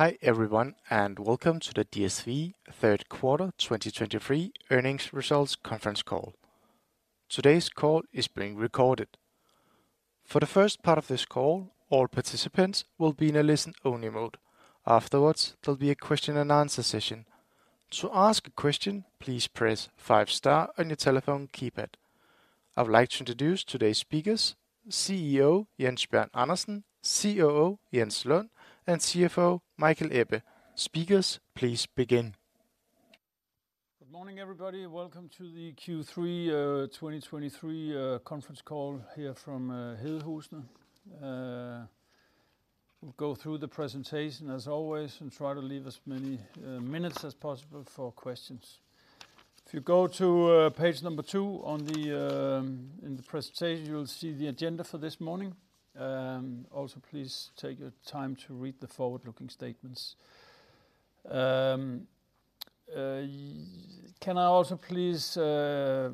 Hi, everyone, and welcome to the DSV third quarter 2023 Earnings Results Conference Call. Today's call is being recorded. For the first part of this call, all participants will be in a listen-only mode. Afterwards, there'll be a question and answer session. To ask a question, please press five star on your telephone keypad. I would like to introduce today's speakers, CEO Jens Bjørn Andersen, COO Jens Lund, and CFO Michael Ebbe. Speakers, please begin. Good morning, everybody, and welcome to the Q3 2023 conference call here from Hedehusene. We'll go through the presentation as always, and try to leave as many minutes as possible for questions. If you go to page two in the presentation, you'll see the agenda for this morning. Also, please take your time to read the forward-looking statements. Can I also please kind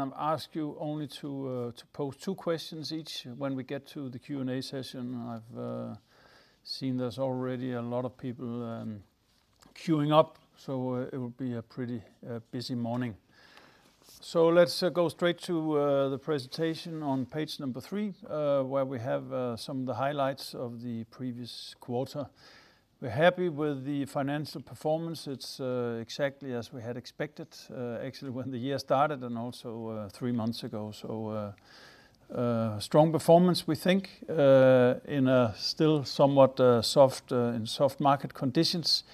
of ask you only to pose two questions each when we get to the Q&A session? I've seen there's already a lot of people queuing up, so it will be a pretty busy morning. So let's go straight to the presentation on page three, where we have some of the highlights of the previous quarter. We're happy with the financial performance. It's exactly as we had expected, actually when the year started and also three months ago. So strong performance, we think, in a still somewhat soft market conditions,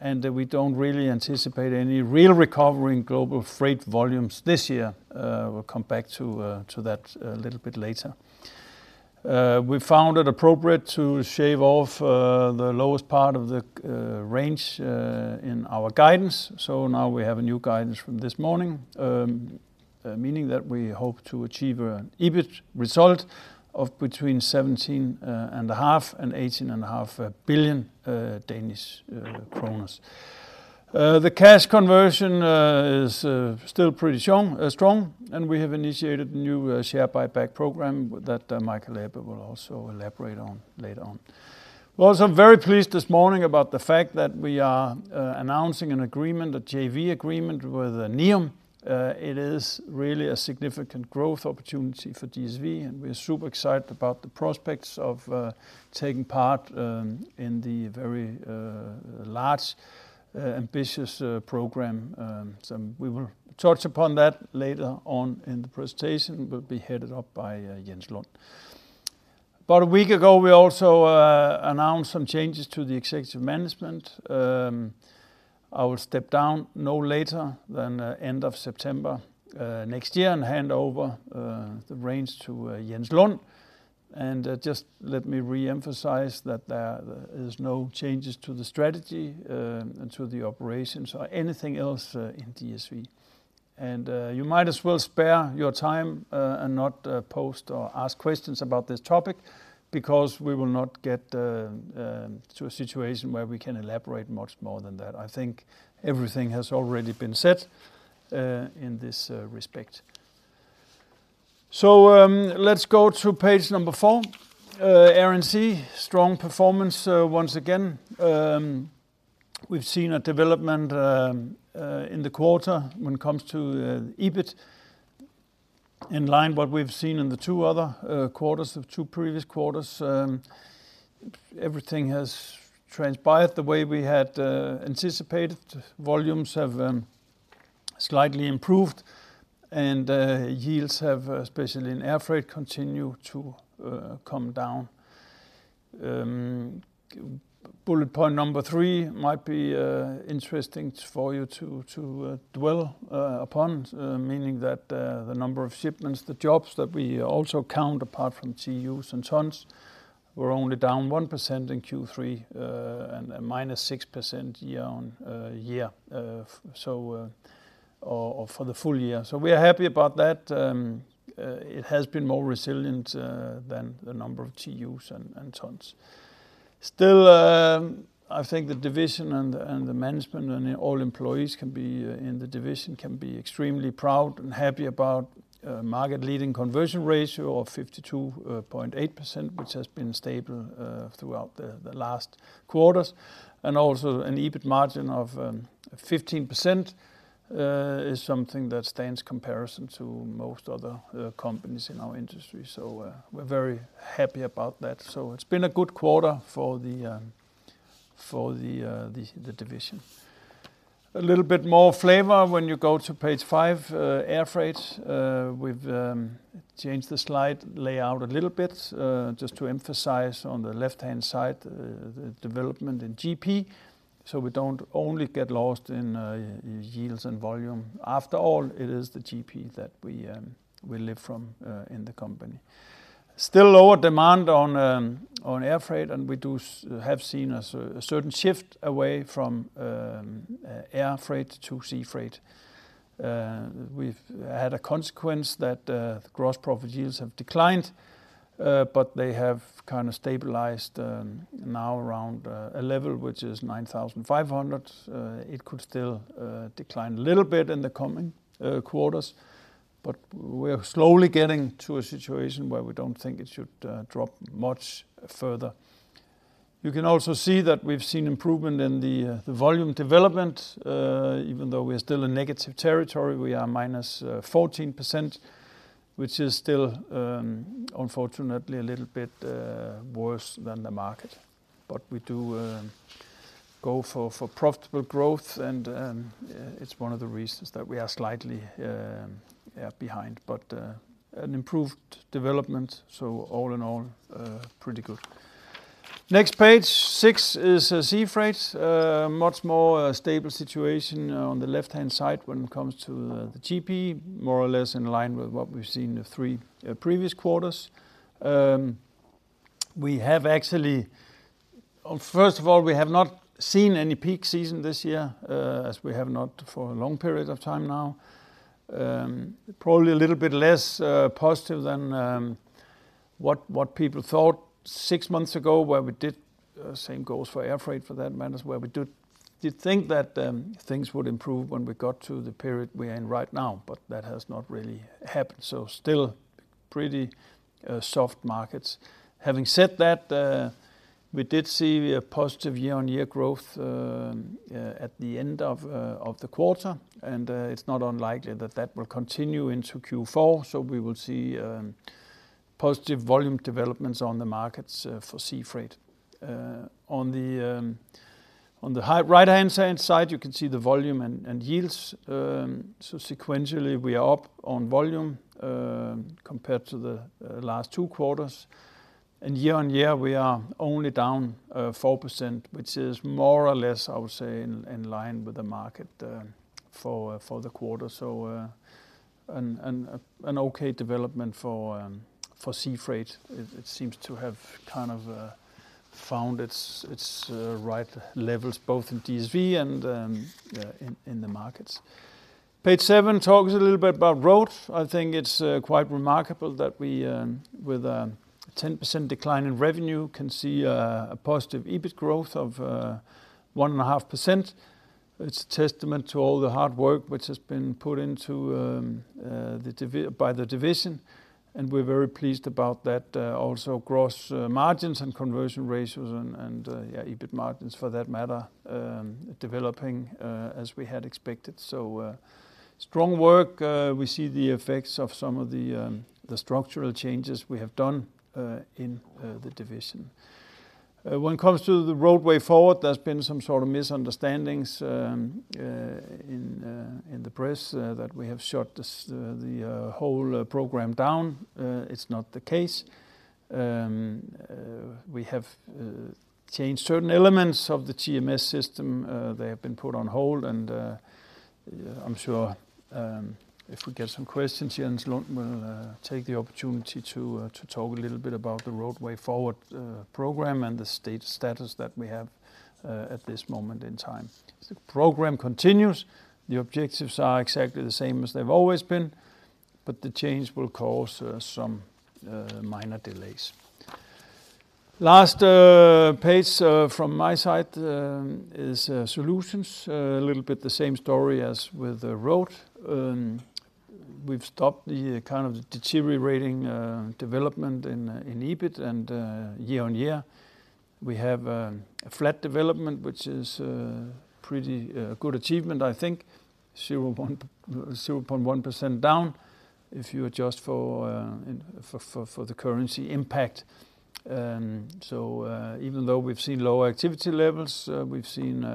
and we don't really anticipate any real recovery in global freight volumes this year. We'll come back to that a little bit later. We found it appropriate to shave off the lowest part of the range in our guidance, so now we have a new guidance from this morning, meaning that we hope to achieve an EBIT result of between 17.5 billion Danish kroner and DKK 18.5 billion. The cash conversion is still pretty strong, strong, and we have initiated a new share buyback program that Michael Ebbe will also elaborate on later on. We're also very pleased this morning about the fact that we are announcing an agreement, a JV agreement, with NEOM. It is really a significant growth opportunity for DSV, and we're super excited about the prospects of taking part in the very large ambitious program. So we will touch upon that later on in the presentation, will be headed up by Jens Lund. About a week ago, we also announced some changes to the executive management. I will step down no later than end of September next year and hand over the reins to Jens Lund. Just let me reemphasize that there is no changes to the strategy, and to the operations or anything else, in DSV. You might as well spare your time, and not post or ask questions about this topic, because we will not get to a situation where we can elaborate much more than that. I think everything has already been said in this respect. Let's go to page number four. Air and Sea, strong performance once again. We've seen a development in the quarter when it comes to EBIT, in line what we've seen in the two other quarters, the two previous quarters. Everything has transpired the way we had anticipated. Volumes have slightly improved, and yields have, especially in air freight, continued to come down. Bullet point number three might be interesting for you to dwell upon, meaning that the number of shipments, the jobs that we also count apart from TEUs and tons, were only down 1% in Q3, and minus 6% year-on-year, or for the full year. So we are happy about that. It has been more resilient than the number of TEUs and tons. Still, I think the division and the management and all employees in the division can be extremely proud and happy about a market-leading conversion ratio of 52.8%, which has been stable throughout the last quarters. And also an EBIT margin of 15% is something that stands comparison to most other companies in our industry, so we're very happy about that. So it's been a good quarter for the division. A little bit more flavor when you go to page five, Air Freight. We've changed the slide layout a little bit just to emphasize on the left-hand side the development in GP, so we don't only get lost in yields and volume. After all, it is the GP that we live from in the company. Still lower demand on air freight, and we have seen a certain shift away from air freight to sea freight. We've had a consequence that the gross profit yields have declined, but they have kind of stabilized now around a level which is 9,500. It could still decline a little bit in the coming quarters. But we are slowly getting to a situation where we don't think it should drop much further. You can also see that we've seen improvement in the volume development, even though we are still in negative territory, we are minus 14%, which is still unfortunately a little bit worse than the market. But we do go for profitable growth, and it's one of the reasons that we are slightly yeah behind, but an improved development, so all in all pretty good. Next, page six is Sea Freight. Much more stable situation on the left-hand side when it comes to the GP, more or less in line with what we've seen the three previous quarters. We have actually. First of all, we have not seen any peak season this year, as we have not for a long period of time now. Probably a little bit less positive than what people thought six months ago, where we did same goes for Air Freight, for that matter, where we did think that things would improve when we got to the period we're in right now, but that has not really happened, so still pretty soft markets. Having said that, we did see a positive year-on-year growth at the end of the quarter, and it's not unlikely that that will continue into Q4, so we will see positive volume developments on the markets for Sea Freight. On the high right-hand side, you can see the volume and yields. So sequentially, we are up on volume compared to the last two quarters, and year-on-year, we are only down 4%, which is more or less, I would say, in line with the market for the quarter. So, an okay development for Sea Freight. It seems to have kind of found its right levels, both in DSV and in the markets. Page seven talks a little bit about Road. I think it's quite remarkable that we, with a 10% decline in revenue, can see a positive EBIT growth of 1.5%. It's a testament to all the hard work which has been put into the division, and we're very pleased about that. Also gross margins and conversion ratios and EBIT margins, for that matter, developing as we had expected. So, strong work. We see the effects of some of the structural changes we have done in the division. When it comes to the Road way forward, there's been some sort of misunderstandings in the press that we have shut this whole program down. It's not the case. We have changed certain elements of the TMS system. They have been put on hold, and I'm sure if we get some questions, Jens Lund will take the opportunity to talk a little bit about the Road Way Forward program and the status that we have at this moment in time. The program continues. The objectives are exactly the same as they've always been, but the change will cause some minor delays. Last page from my side is Solutions. A little bit the same story as with the Road. We've stopped the kind of deteriorating development in EBIT, and year-on-year, we have a flat development, which is pretty good achievement, I think. 0.1% down if you adjust for the currency impact. So, even though we've seen lower activity levels, we've seen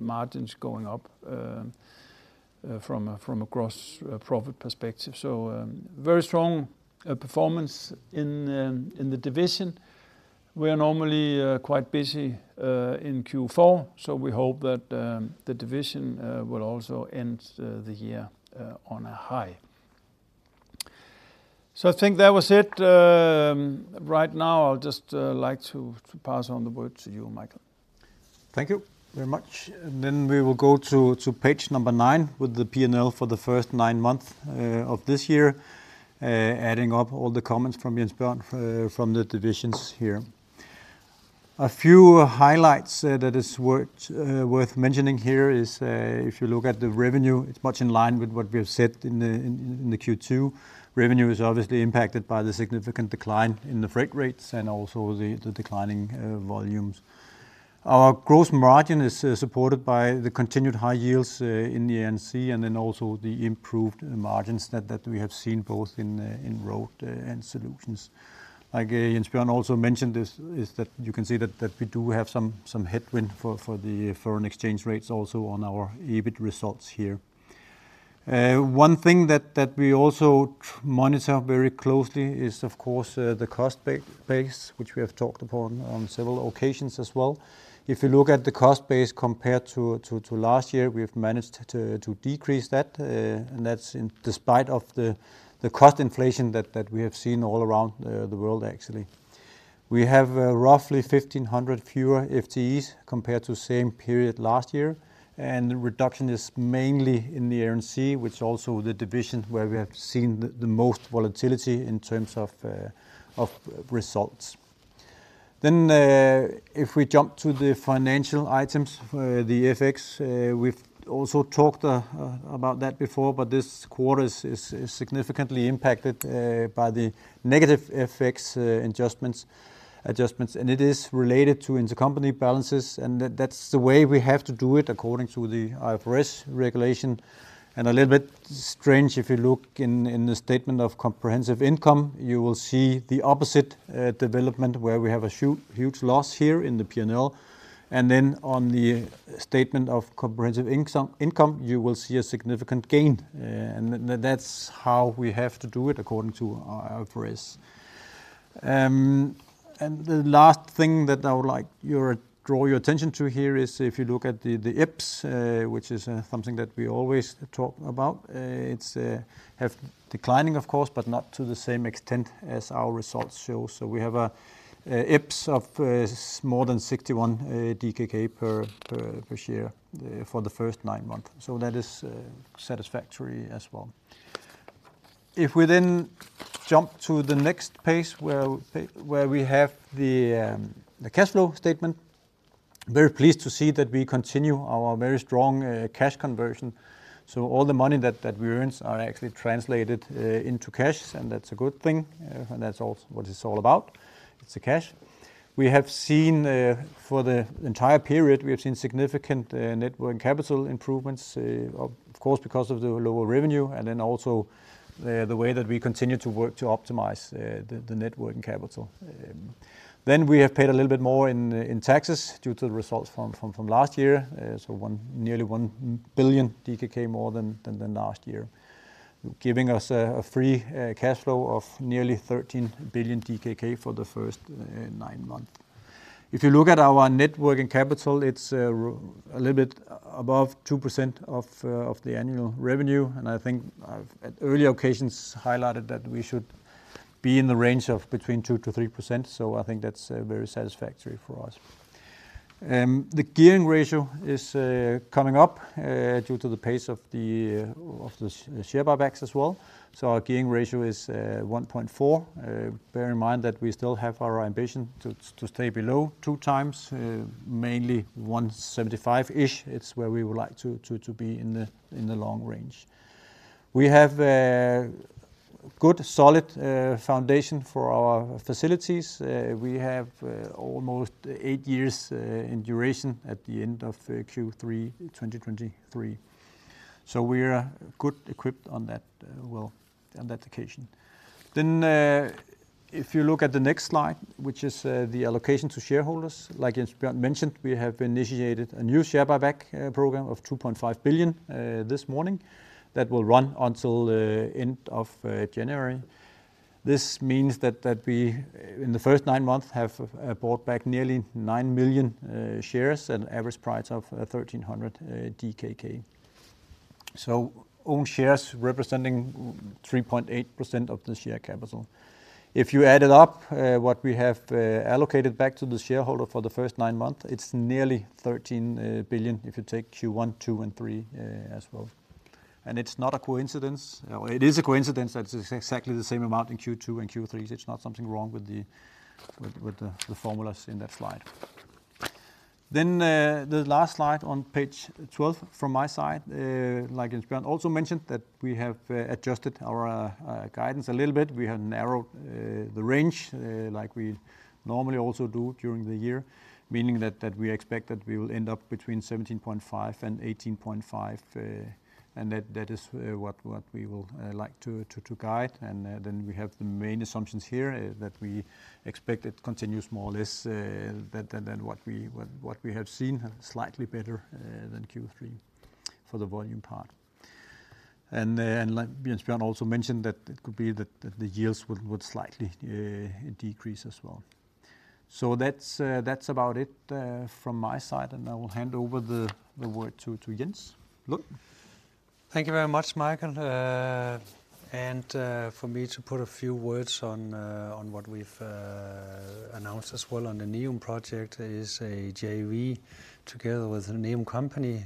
margins going up from a gross profit perspective. So, very strong performance in the division. We are normally quite busy in Q4, so we hope that the division will also end the year on a high. So I think that was it. Right now, I would just like to pass on the word to you, Michael. Thank you very much. Then we will go to page number nine with the P&L for the first nine months of this year, adding up all the comments from Jens Bjørn from the divisions here. A few highlights that is worth mentioning here is, if you look at the revenue, it's much in line with what we have said in the Q2. Revenue is obviously impacted by the significant decline in the freight rates and also the declining volumes. Our gross margin is supported by the continued high yields in the Air and Sea, and then also the improved margins that we have seen both in Road and Solutions. Like, Jens Bjørn also mentioned this, that is, you can see that we do have some headwind for the foreign exchange rates also on our EBIT results here. One thing that we also monitor very closely is, of course, the cost base, which we have talked upon on several occasions as well. If you look at the cost base compared to last year, we've managed to decrease that, and that's in spite of the cost inflation that we have seen all around the world actually. We have roughly 1,500 fewer FTEs compared to same period last year, and the reduction is mainly in the Air and Sea, which also the division where we have seen the most volatility in terms of results. Then, if we jump to the financial items, the FX, we've also talked about that before, but this quarter is significantly impacted by the negative FX adjustments. And it is related to intercompany balances, and that's the way we have to do it according to the IFRS regulation. And a little bit strange, if you look in the statement of comprehensive income, you will see the opposite development, where we have a huge loss here in the P&L. And then on the statement of comprehensive income, you will see a significant gain. And that's how we have to do it according to our IFRS. And the last thing that I would like to draw your attention to here is if you look at the EPS, which is something that we always talk about. It's have declining, of course, but not to the same extent as our results show. We have a EPS of more than 61 DKK per share for the first nine months, so that is satisfactory as well. If we then jump to the next page, where we have the cash flow statement. Very pleased to see that we continue our very strong cash conversion, so all the money that we earn are actually translated into cash, and that's a good thing. That's also what it's all about. It's the cash. We have seen, for the entire period, we have seen significant Net Working Capital improvements, of course, because of the lower revenue and then also the way that we continue to work to optimize the Net Working Capital. Then we have paid a little bit more in taxes due to the results from last year. So nearly 1 billion DKK more than last year, giving us a free cash flow of nearly 13 billion DKK for the first nine months. If you look at our Net Working Capital, it's a little bit above 2% of the annual revenue. I think I've, at earlier occasions, highlighted that we should be in the range of between 2%-3%, so I think that's very satisfactory for us. The gearing ratio is coming up due to the pace of the share buybacks as well. So our gearing ratio is 1.4. Bear in mind that we still have our ambition to stay below 2x, mainly 1.75-ish. It's where we would like to be in the long range. We have a good, solid foundation for our facilities. We have almost eight years in duration at the end of Q3 2023. So we are good equipped on that, well, on that occasion. If you look at the next slide, which is the allocation to shareholders, like Jens Bjørn mentioned, we have initiated a new share buyback program of 2.5 billion this morning, that will run until the end of January. This means that we, in the first nine months, have bought back nearly 9 million shares at an average price of 1,300 DKK. So own shares representing 3.8% of the share capital. If you add it up, what we have allocated back to the shareholder for the first nine months, it's nearly 13 billion, if you take Q1, Q2, and Q3 as well. It is a coincidence that it's exactly the same amount in Q2 and Q3. It's not something wrong with the formulas in that slide. Then, the last slide on page 12 from my side, like Jens Bjørn also mentioned, that we have adjusted our guidance a little bit. We have narrowed the range, like we normally also do during the year, meaning that we expect that we will end up between 17.5 and 18.5. And that is what we will like to guide. And then we have the main assumptions here, that we expect it continues more or less than what we have seen, slightly better than Q3 for the volume part. Like Jens Bjørn also mentioned, that it could be that the yields would slightly decrease as well. So that's about it from my side, and I will hand over the word to Jens. Look. Thank you very much, Michael. And, for me to put a few words on, on what we've announced as well on the NEOM project is a JV, together with a NEOM company,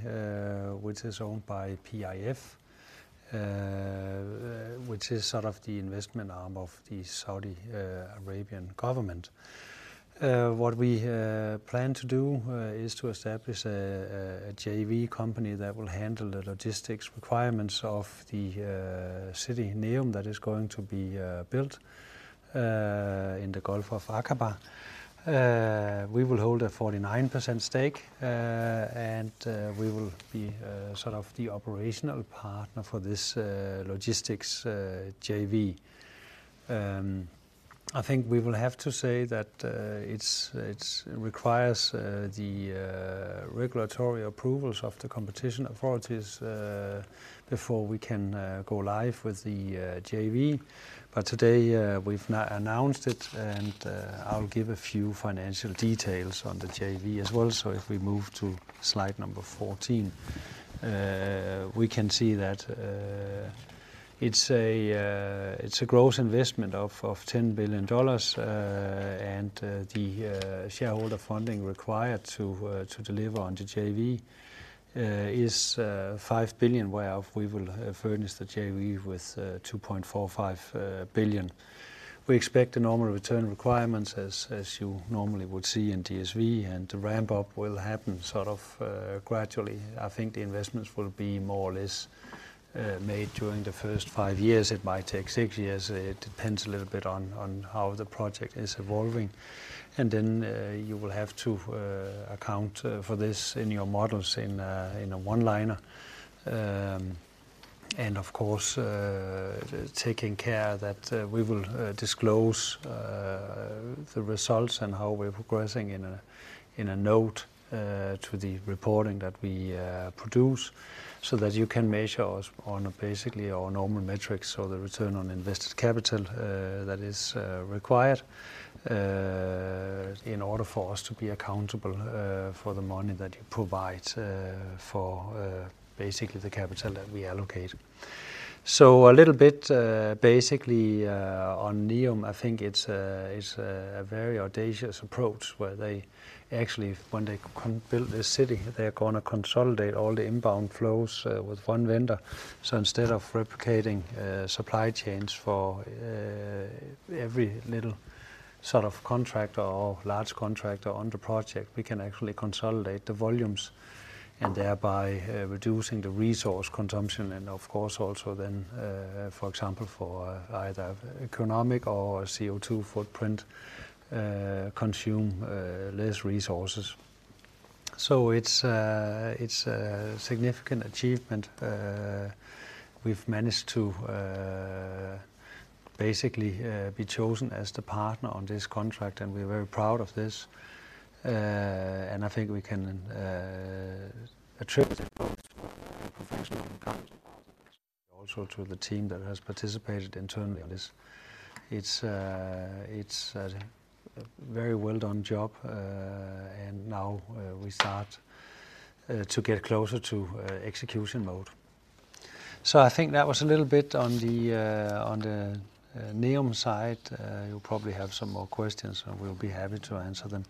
which is owned by PIF, which is sort of the investment arm of the Saudi Arabian government. What we plan to do is to establish a JV company that will handle the logistics requirements of the city, NEOM, that is going to be built in the Gulf of Aqaba. We will hold a 49% stake, and we will be sort of the operational partner for this logistics JV. I think we will have to say that it requires the regulatory approvals of the competition authorities before we can go live with the JV. But today we've now announced it, and I'll give a few financial details on the JV as well. So if we move to slide number 14, we can see that it's a gross investment of $10 billion. And the shareholder funding required to deliver on the JV is $5 billion, whereof we will furnish the JV with $2.45 billion. We expect normal return requirements as you normally would see in DSV, and the ramp up will happen sort of gradually. I think the investments will be more or less made during the first five years. It might take six years. It depends a little bit on how the project is evolving. And then you will have to account for this in your models in a one-liner. And of course taking care that we will disclose the results and how we're progressing in a note to the reporting that we produce, so that you can measure us on basically our normal metrics or the return on invested capital that is required. In order for us to be accountable for the money that you provide for basically the capital that we allocate. So a little bit, basically, on NEOM, I think it's a very audacious approach, where they actually, when they build this city, they're gonna consolidate all the inbound flows with one vendor. So instead of replicating supply chains for every little sort of contractor or large contractor on the project, we can actually consolidate the volumes, and thereby reducing the resource consumption and of course, also then, for example, for either economic or CO2 footprint, consume less resources. So it's a significant achievement. We've managed to basically be chosen as the partner on this contract, and we're very proud of this. And I think we can attribute it also to the team that has participated internally on this. It's a very well done job, and now we start to get closer to execution mode. So I think that was a little bit on the NEOM side. You'll probably have some more questions, and we'll be happy to answer them.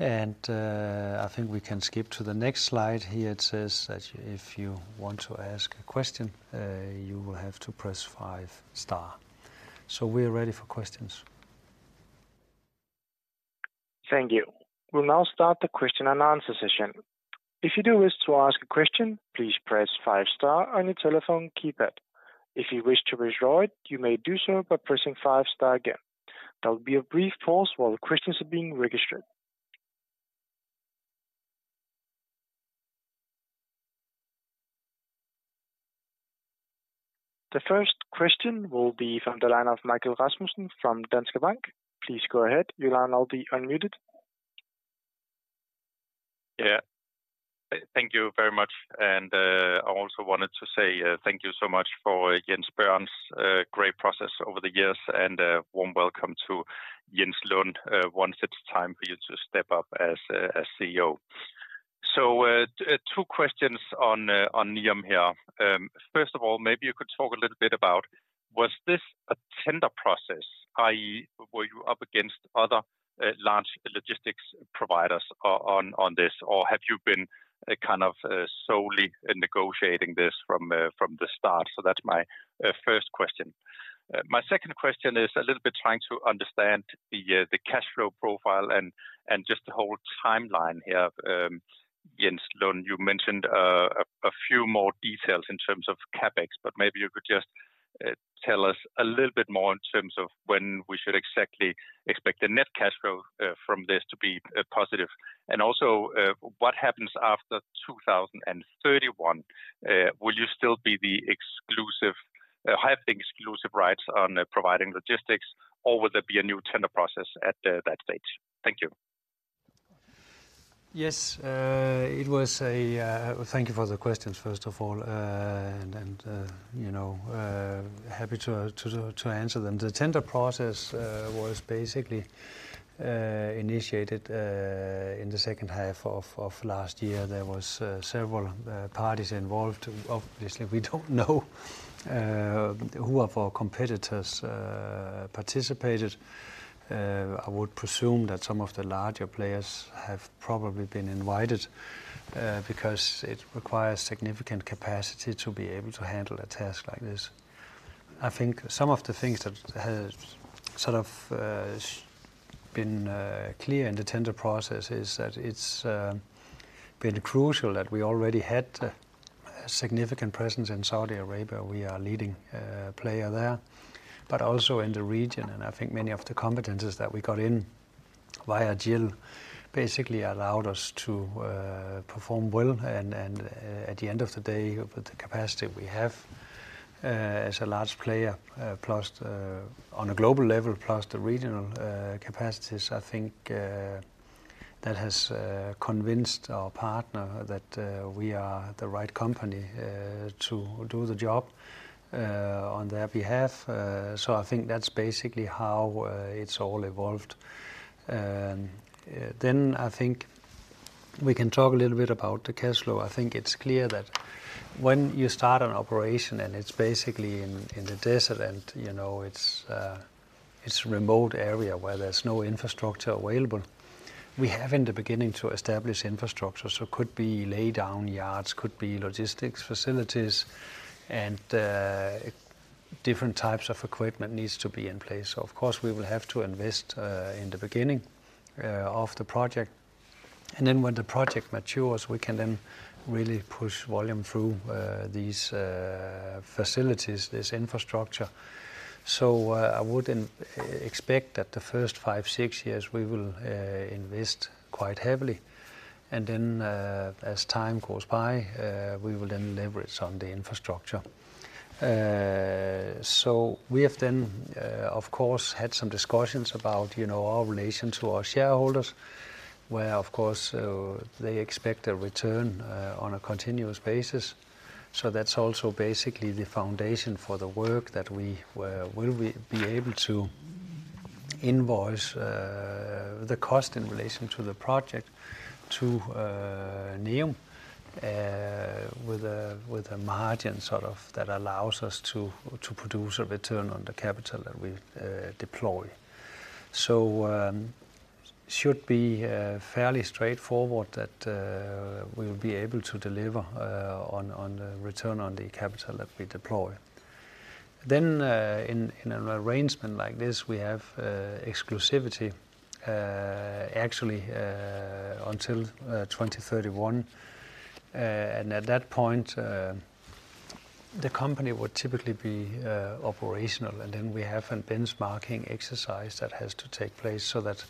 And I think we can skip to the next slide. Here it says that if you want to ask a question, you will have to press five star. So we're ready for questions. Thank you. We'll now start the question and answer session. If you do wish to ask a question, please press five star on your telephone keypad. If you wish to withdraw it, you may do so by pressing five star again. There will be a brief pause while the questions are being registered. The first question will be from the line of Michael Rasmussen from Danske Bank. Please go ahead, your line will be unmuted. Yeah. Thank you very much. And, I also wanted to say, thank you so much for Jens Bjørn's great process over the years, and warm welcome to Jens Lund, once it's time for you to step up as CEO. So, two questions on NEOM here. First of all, maybe you could talk a little bit about, was this a tender process, i.e., were you up against other large logistics providers on this, or have you been kind of solely negotiating this from the start? So that's my first question. My second question is a little bit trying to understand the cash flow profile and just the whole timeline here. Jens Lund, you mentioned a few more details in terms of CapEx, but maybe you could just tell us a little bit more in terms of when we should exactly expect the net cash flow from this to be positive. And also, what happens after 2031? Will you still be the exclusive have the exclusive rights on providing logistics, or will there be a new tender process at that stage? Thank you. Yes, it was a... Thank you for the questions, first of all, and, you know, happy to answer them. The tender process was basically initiated in the second half of last year. There was several parties involved. Obviously, we don't know who of our competitors participated. I would presume that some of the larger players have probably been invited, because it requires significant capacity to be able to handle a task like this. I think some of the things that has sort of been clear in the tender process is that it's been crucial that we already had a significant presence in Saudi Arabia. We are a leading player there, but also in the region. I think many of the competencies that we got in via GIL basically allowed us to perform well. At the end of the day, with the capacity we have as a large player, plus on a global level, plus the regional capacities, I think that has convinced our partner that we are the right company to do the job on their behalf. So I think that's basically how it's all evolved. Then I think we can talk a little bit about the cash flow. I think it's clear that when you start an operation and it's basically in the desert and, you know, it's a remote area where there's no infrastructure available-... We have in the beginning to establish infrastructure, so could be laydown yards, could be logistics facilities, and different types of equipment needs to be in place. Of course, we will have to invest in the beginning of the project, and then when the project matures, we can then really push volume through these facilities, this infrastructure. So, I would expect that the first five, six years we will invest quite heavily, and then, as time goes by, we will then leverage on the infrastructure. So we have then, of course, had some discussions about, you know, our relation to our shareholders, where, of course, they expect a return on a continuous basis. So that's also basically the foundation for the work that we will be able to invoice the cost in relation to the project to NEOM with a margin, sort of, that allows us to produce a return on the capital that we deploy. So should be fairly straightforward that we will be able to deliver on the return on the capital that we deploy. Then in an arrangement like this, we have exclusivity, actually, until 2031. And at that point, the company would typically be operational, and then we have a benchmarking exercise that has to take place so that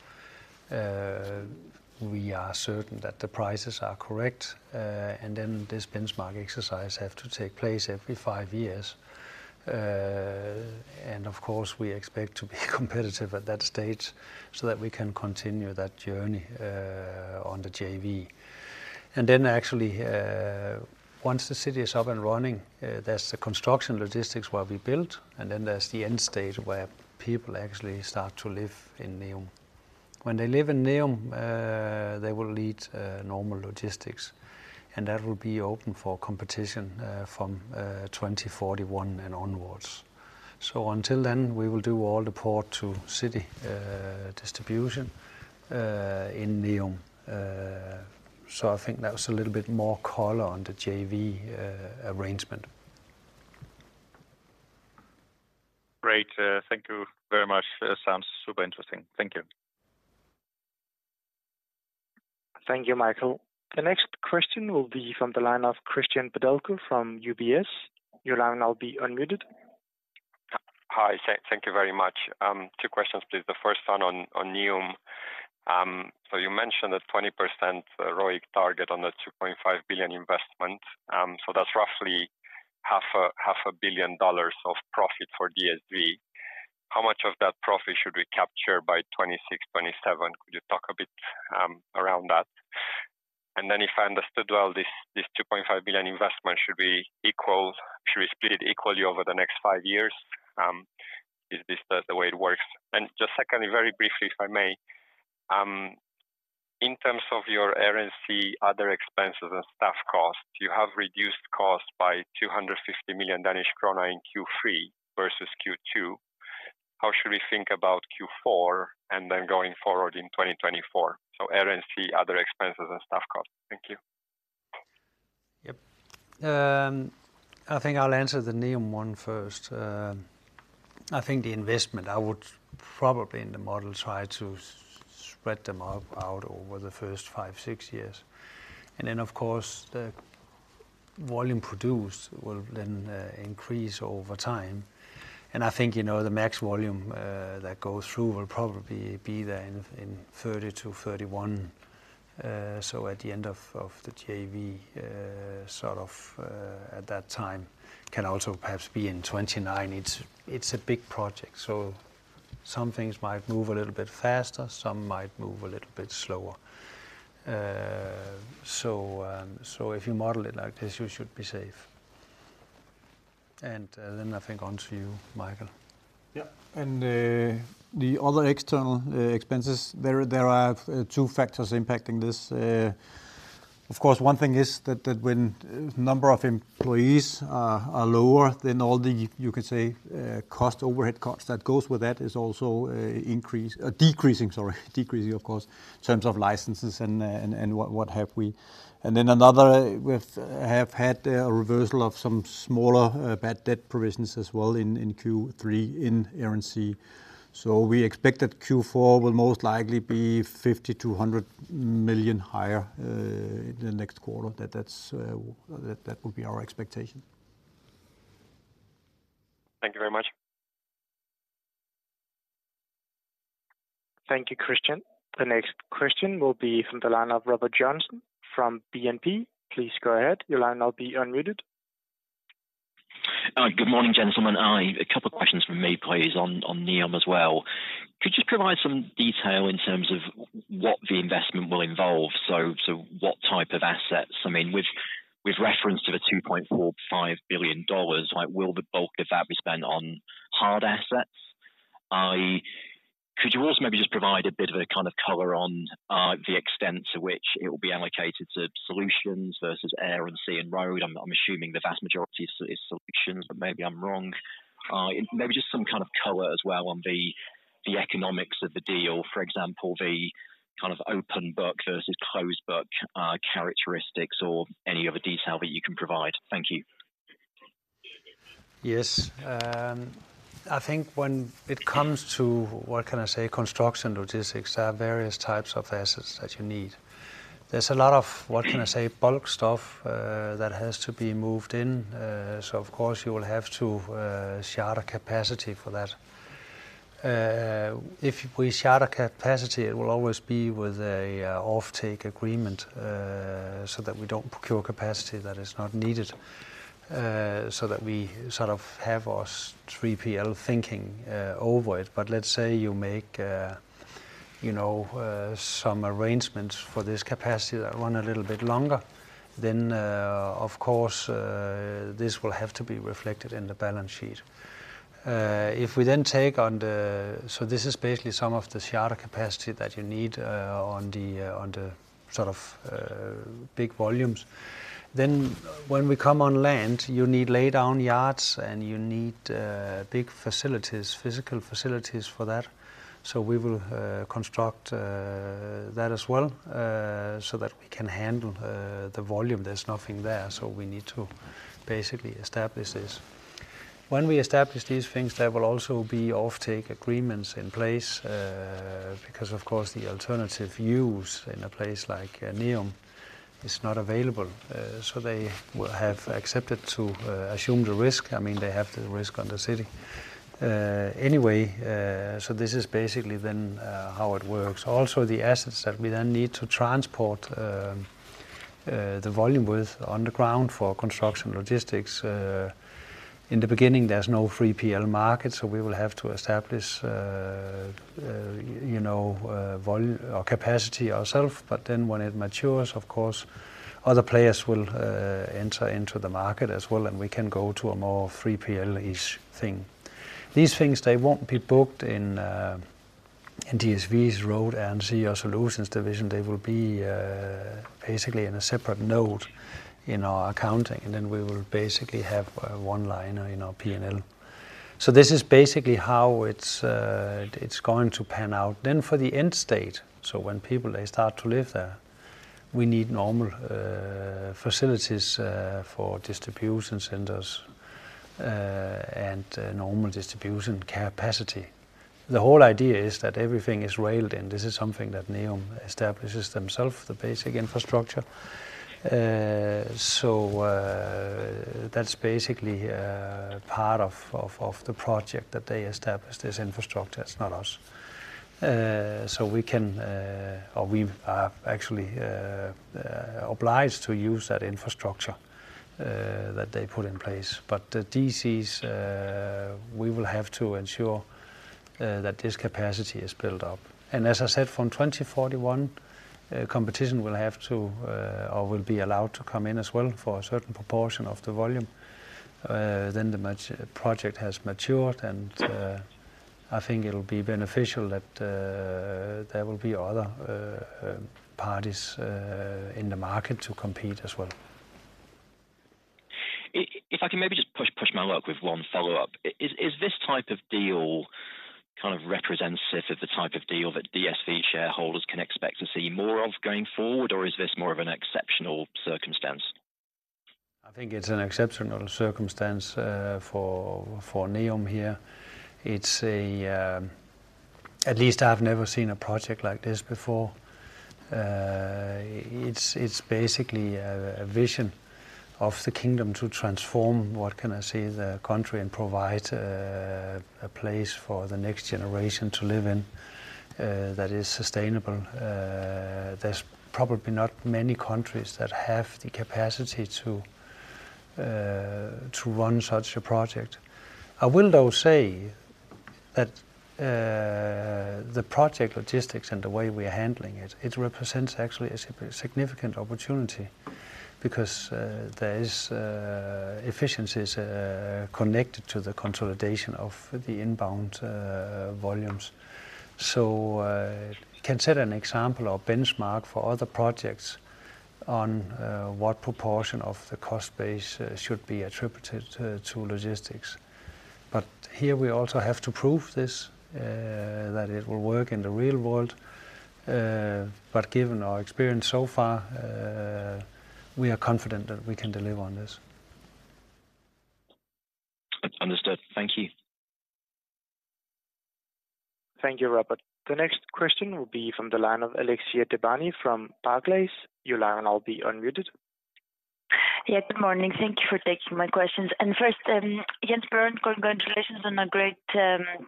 we are certain that the prices are correct. And then this benchmark exercise have to take place every five years. Of course, we expect to be competitive at that stage so that we can continue that journey on the JV. And then actually, once the city is up and running, there's the construction logistics where we built, and then there's the end stage where people actually start to live in NEOM. When they live in NEOM, they will lead normal logistics, and that will be open for competition from 2041 and onwards. So until then, we will do all the port to city distribution in NEOM. So I think that was a little bit more color on the JV arrangement. Great, thank you very much. Sounds super interesting. Thank you. Thank you, Michael. The next question will be from the line of Cristian Nedelcu from UBS. Your line will now be unmuted. Hi, thank you very much. Two questions, please. The first one on NEOM. So you mentioned a 20% ROIC target on the $2.5 billion investment. So that's roughly half a billion dollars of profit for DSV. How much of that profit should we capture by 2026, 2027? Could you talk a bit around that? And then if I understood well, this $2.5 billion investment should be split equally over the next five years. Is this the way it works? And just secondly, very briefly, if I may, in terms of your Air and Sea, other expenses and staff costs, you have reduced costs by 250 million Danish krone in Q3 versus Q2. How should we think about Q4, and then going forward in 2024? Air and Sea, other expenses and staff costs. Thank you. Yep. I think I'll answer the NEOM one first. I think the investment, I would probably in the model, try to spread them out over the first five to six years. And then, of course, the volume produced will then increase over time. And I think, you know, the max volume that goes through will probably be there in 2030-2031. So at the end of the JV, sort of, at that time, can also perhaps be in 2029. It's a big project, so some things might move a little bit faster, some might move a little bit slower. So if you model it like this, you should be safe. And then I think on to you, Michael. Yeah. The other external expenses, there are two factors impacting this. Of course, one thing is that when number of employees are lower, then all the overhead costs that goes with that is also decreasing, of course, in terms of licenses and what have we. And then another, we have had a reversal of some smaller bad debt provisions as well in Q3, in Air and Sea. So we expect that Q4 will most likely be 50 million-100 million higher the next quarter. That would be our expectation. Thank you very much. Thank you, Cristian. The next question will be from the line of Robert Joynson from BNP. Please go ahead. Your line now will be unmuted. Good morning, gentlemen. A couple of questions from me, please, on NEOM as well. Could you provide some detail in terms of what the investment will involve? So what type of assets? I mean, with reference to the $2.45 billion, like, will the bulk of that be spent on hard assets? Could you also maybe just provide a bit of a kind of color on the extent to which it will be allocated to Solutions versus Air and Sea and Road? I'm assuming the vast majority is Solutions, but maybe I'm wrong. And maybe just some kind of color as well on the economics of the deal. For example, the kind of open book versus closed book characteristics or any other detail that you can provide. Thank you. Yes. I think when it comes to, what can I say, construction logistics, there are various types of assets that you need. There's a lot of, what can I say, bulk stuff that has to be moved in. So of course you will have to charter capacity for that. If we charter capacity, it will always be with a off-take agreement so that we don't procure capacity that is not needed. So that we sort of have our 3PL thinking over it. But let's say you make, you know, some arrangements for this capacity that run a little bit longer, then of course this will have to be reflected in the balance sheet. If we then take on the... So this is basically some of the charter capacity that you need on the sort of big volumes. Then when we come on land, you need laydown yards, and you need big facilities, physical facilities for that. So we will construct that as well so that we can handle the volume. There's nothing there, so we need to basically establish this. When we establish these things, there will also be off take agreements in place because, of course, the alternative use in a place like NEOM is not available. So they will have accepted to assume the risk. I mean, they have the risk on the city. Anyway, so this is basically then how it works. Also, the assets that we then need to transport, the volume with on the ground for construction logistics, in the beginning, there's no 3PL market, so we will have to establish, you know, or capacity ourselves, but then when it matures, of course, other players will enter into the market as well, and we can go to a more 3PL-ish thing. These things, they won't be booked in, in DSV's Road, Air, and Sea or Solutions division. They will be basically in a separate node in our accounting, and then we will basically have one line in our P&L. So this is basically how it's going to pan out. Then for the end state, so when people they start to live there, we need normal facilities for distribution centers, and normal distribution capacity. The whole idea is that everything is railed, and this is something that NEOM establishes themselves, the basic infrastructure. So, that's basically part of the project that they established, this infrastructure. It's not us. So we can, or we are actually obliged to use that infrastructure that they put in place. But the DCs, we will have to ensure that this capacity is built up. And as I said, from 2041, competition will have to, or will be allowed to come in as well for a certain proportion of the volume. Then the project has matured, and I think it'll be beneficial that there will be other parties in the market to compete as well. If I can maybe just push my luck with one follow-up. Is this type of deal kind of representative of the type of deal that DSV shareholders can expect to see more of going forward, or is this more of an exceptional circumstance? I think it's an exceptional circumstance for NEOM here. It's a... At least I've never seen a project like this before. It's basically a vision of the kingdom to transform, what can I say, the country, and provide a place for the next generation to live in that is sustainable. There's probably not many countries that have the capacity to run such a project. I will, though, say that the project logistics and the way we are handling it represents actually a significant opportunity because there is efficiencies connected to the consolidation of the inbound volumes. So, consider an example or benchmark for other projects on what proportion of the cost base should be attributed to logistics. But here we also have to prove this, that it will work in the real world. But given our experience so far, we are confident that we can deliver on this. Understood. Thank you. Thank you, Robert. The next question will be from the line of Alexia Dogani from Barclays. Your line will now be unmuted. Yeah, good morning. Thank you for taking my questions. And first, Jens Bjørn Andersen, congratulations on a great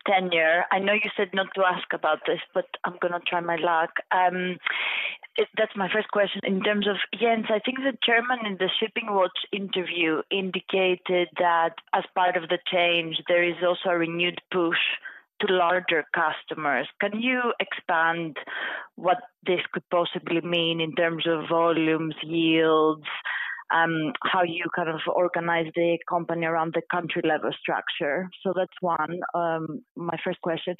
tenure. I know you said not to ask about this, but I'm gonna try my luck. That's my first question. In terms of, Jens, I think the chairman in the Shipping Watch interview indicated that as part of the change, there is also a renewed push to larger customers. Can you expand what this could possibly mean in terms of volumes, yields, how you kind of organize the company around the country level structure? So that's one, my first question.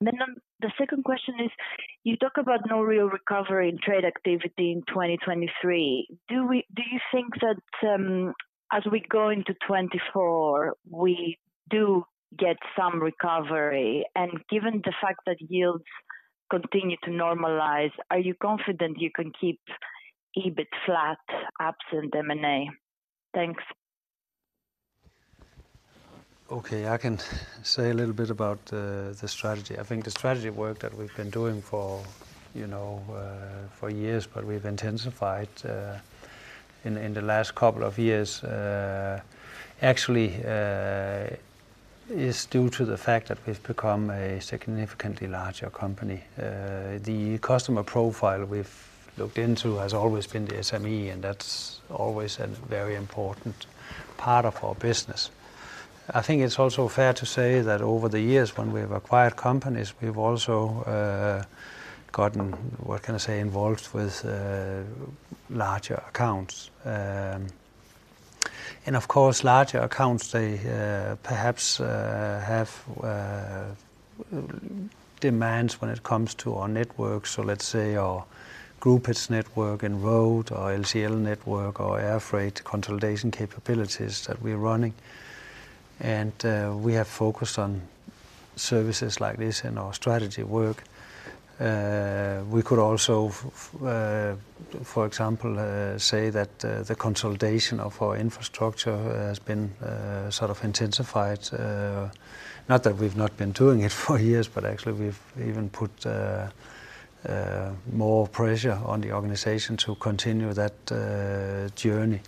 And then, the second question is, you talk about no real recovery in trade activity in 2023. Do you think that, as we go into 2024, we do get some recovery? Given the fact that yields continue to normalize, are you confident you can keep EBIT flat, absent M&A? Thanks. Okay, I can say a little bit about the strategy. I think the strategy work that we've been doing for, you know, for years, but we've intensified in the last couple of years, actually, is due to the fact that we've become a significantly larger company. The customer profile we've looked into has always been the SME, and that's always a very important part of our business. I think it's also fair to say that over the years, when we have acquired companies, we've also gotten, what can I say, involved with larger accounts. And of course, larger accounts, they perhaps have demands when it comes to our network. So let's say our groupage network and road, our LCL network, our air freight consolidation capabilities that we're running. We have focused on services like this in our strategy work. We could also, for example, say that the consolidation of our infrastructure has been sort of intensified. Not that we've not been doing it for years, but actually we've even put more pressure on the organization to continue that journey.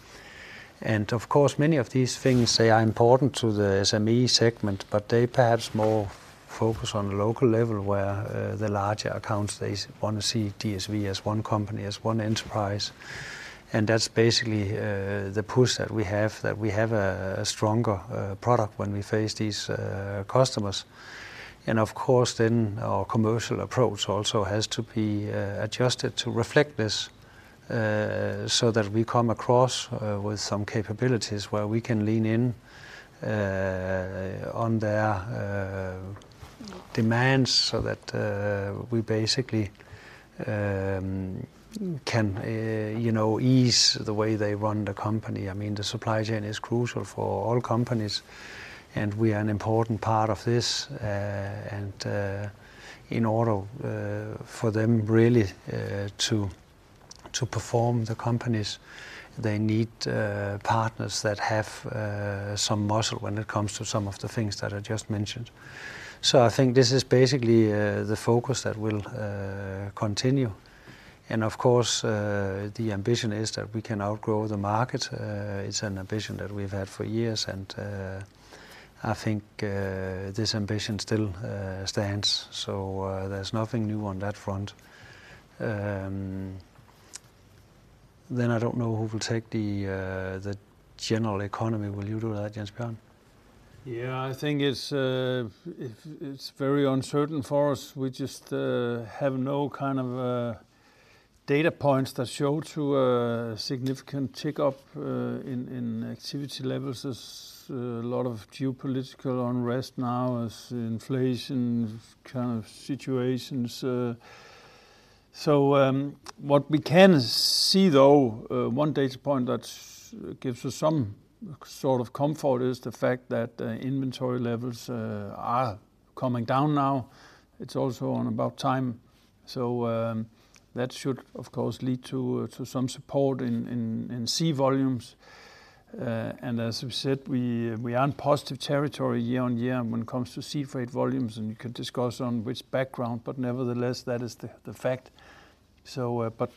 And of course, many of these things, they are important to the SME segment, but they perhaps more focus on the local level, where the larger accounts, they want to see DSV as one company, as one enterprise. And that's basically the push that we have, that we have a stronger product when we face these customers. And of course, then our commercial approach also has to be adjusted to reflect this, so that we come across with some capabilities where we can lean in on their demands, so that we basically can you know ease the way they run the company. I mean, the supply chain is crucial for all companies, and we are an important part of this. And in order for them really to perform the companies, they need partners that have some muscle when it comes to some of the things that I just mentioned. So I think this is basically the focus that will continue. And of course, the ambition is that we can outgrow the market. It's an ambition that we've had for years, and I think this ambition still stands. So, there's nothing new on that front. Then I don't know who will take the general economy. Will you do that, Jens Bjørn? Yeah, I think it's very uncertain for us. We just have no kind of data points that show a significant tick up in activity levels. There's a lot of geopolitical unrest now, as inflation kind of situations. So, what we can see, though, one data point that gives us some sort of comfort, is the fact that inventory levels are coming down now. It's also about time, so that should, of course, lead to some support in Sea volumes. And as we've said, we are in positive territory year on year when it comes to Sea Freight volumes, and you can discuss on which background, but nevertheless, that is the fact. So, but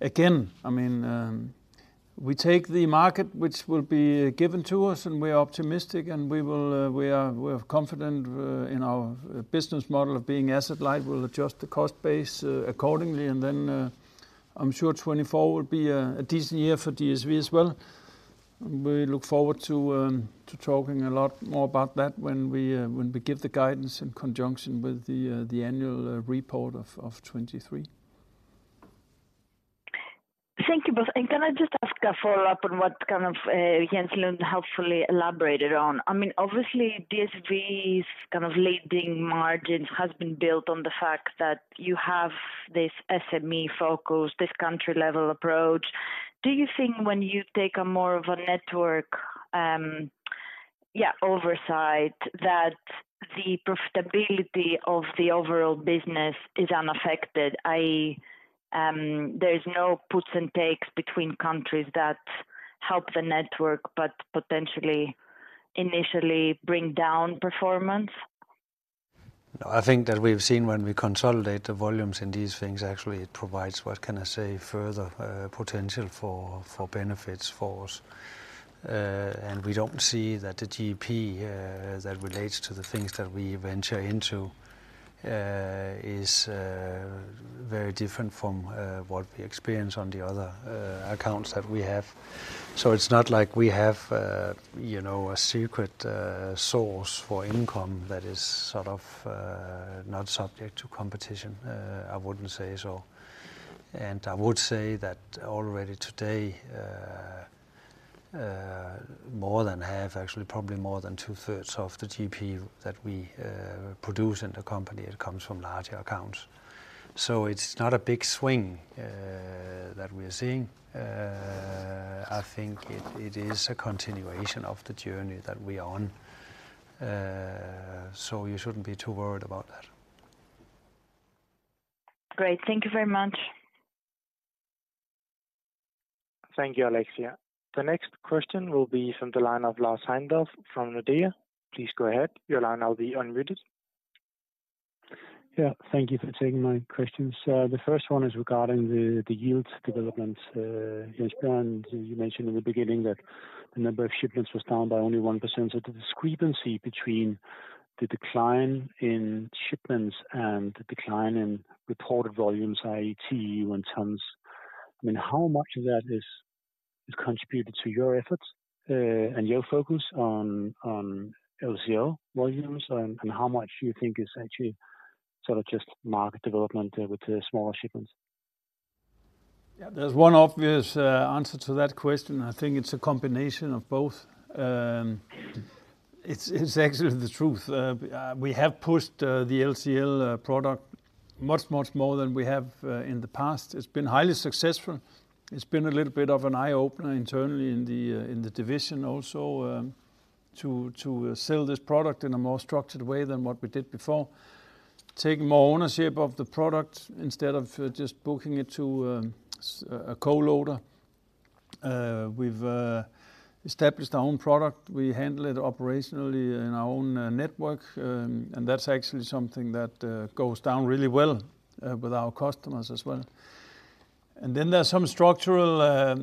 again, I mean, we take the market which will be given to us, and we are optimistic, and we will, we are confident in our business model of being asset light. We'll adjust the cost base accordingly, and then, I'm sure 2024 will be a decent year for DSV as well. We look forward to talking a lot more about that when we give the guidance in conjunction with the annual report of 2023. Thank you both. Can I just ask a follow-up on what kind of Jens Lund helpfully elaborated on? I mean, obviously, DSV's kind of leading margins has been built on the fact that you have this SME focus, this country-level approach. Do you think when you take a more of a network, yeah, oversight, that the profitability of the overall business is unaffected, i.e., there is no puts and takes between countries that help the network, but potentially, initially bring down performance? No, I think that we've seen when we consolidate the volumes in these things, actually it provides, what can I say, further potential for benefits for us. And we don't see that the GP that relates to the things that we venture into is very different from what we experience on the other accounts that we have. So it's not like we have, you know, a secret source for income that is sort of not subject to competition. I wouldn't say so. And I would say that already today more than half, actually, probably more than two-thirds of the GP that we produce in the company, it comes from larger accounts. So it's not a big swing that we are seeing. I think it is a continuation of the journey that we are on. So you shouldn't be too worried about that. Great, thank you very much. Thank you, Alexia. The next question will be from the line of Lars Heindorff from Nordea. Please go ahead. Your line will now be unmuted. Yeah, thank you for taking my questions. The first one is regarding the yield development, Jens Bjørn. You mentioned in the beginning that the number of shipments was down by only 1%. So the discrepancy between the decline in shipments and the decline in reported volumes in TEUs and tons, I mean, how much of that is contributed to your efforts and your focus on LCL volumes? And how much do you think is actually sort of just market development with the smaller shipments? Yeah, there's one obvious answer to that question. I think it's a combination of both. It's actually the truth. We have pushed the LCL product much, much more than we have in the past. It's been highly successful. It's been a little bit of an eye-opener internally in the division also to sell this product in a more structured way than what we did before. Take more ownership of the product instead of just booking it to a co-loader. We've established our own product. We handle it operationally in our own network. And that's actually something that goes down really well with our customers as well. And then there's some structural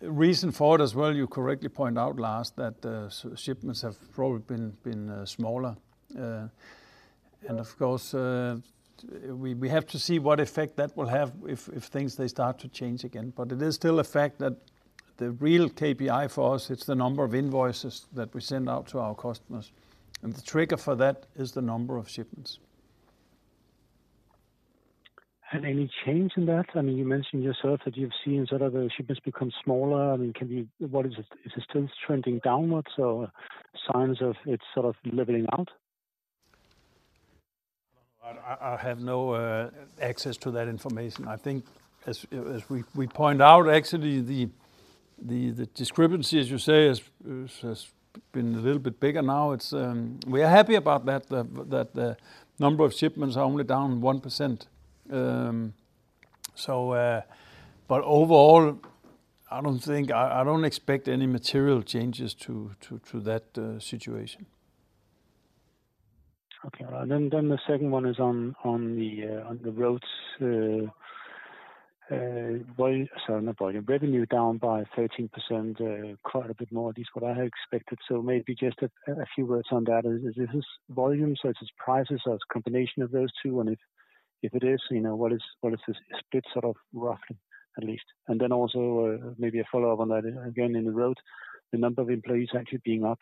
reason for it as well. You correctly pointed out, Lars, that the sea shipments have probably been smaller. And of course, we have to see what effect that will have if things start to change again. But it is still a fact that the real KPI for us, it's the number of invoices that we send out to our customers, and the trigger for that is the number of shipments. Any change in that? I mean, you mentioned yourself that you've seen sort of the shipments become smaller. I mean, can you... is it still trending downward or signs of it sort of leveling out? I have no access to that information. I think as we point out, actually, the discrepancy, as you say, has been a little bit bigger now. It's... We are happy about that the number of shipments are only down 1%. So, but overall, I don't think I don't expect any material changes to that situation. Okay. And then the second one is on the Road, volume, sorry, not volume. Revenue down by 13%, quite a bit more than what I had expected. So maybe just a few words on that. Is this volume, so it's prices or it's combination of those two? And if it is, you know, what is the split, sort of, roughly, at least? And then also, maybe a follow-up on that, again, in the Road, the number of employees actually being up,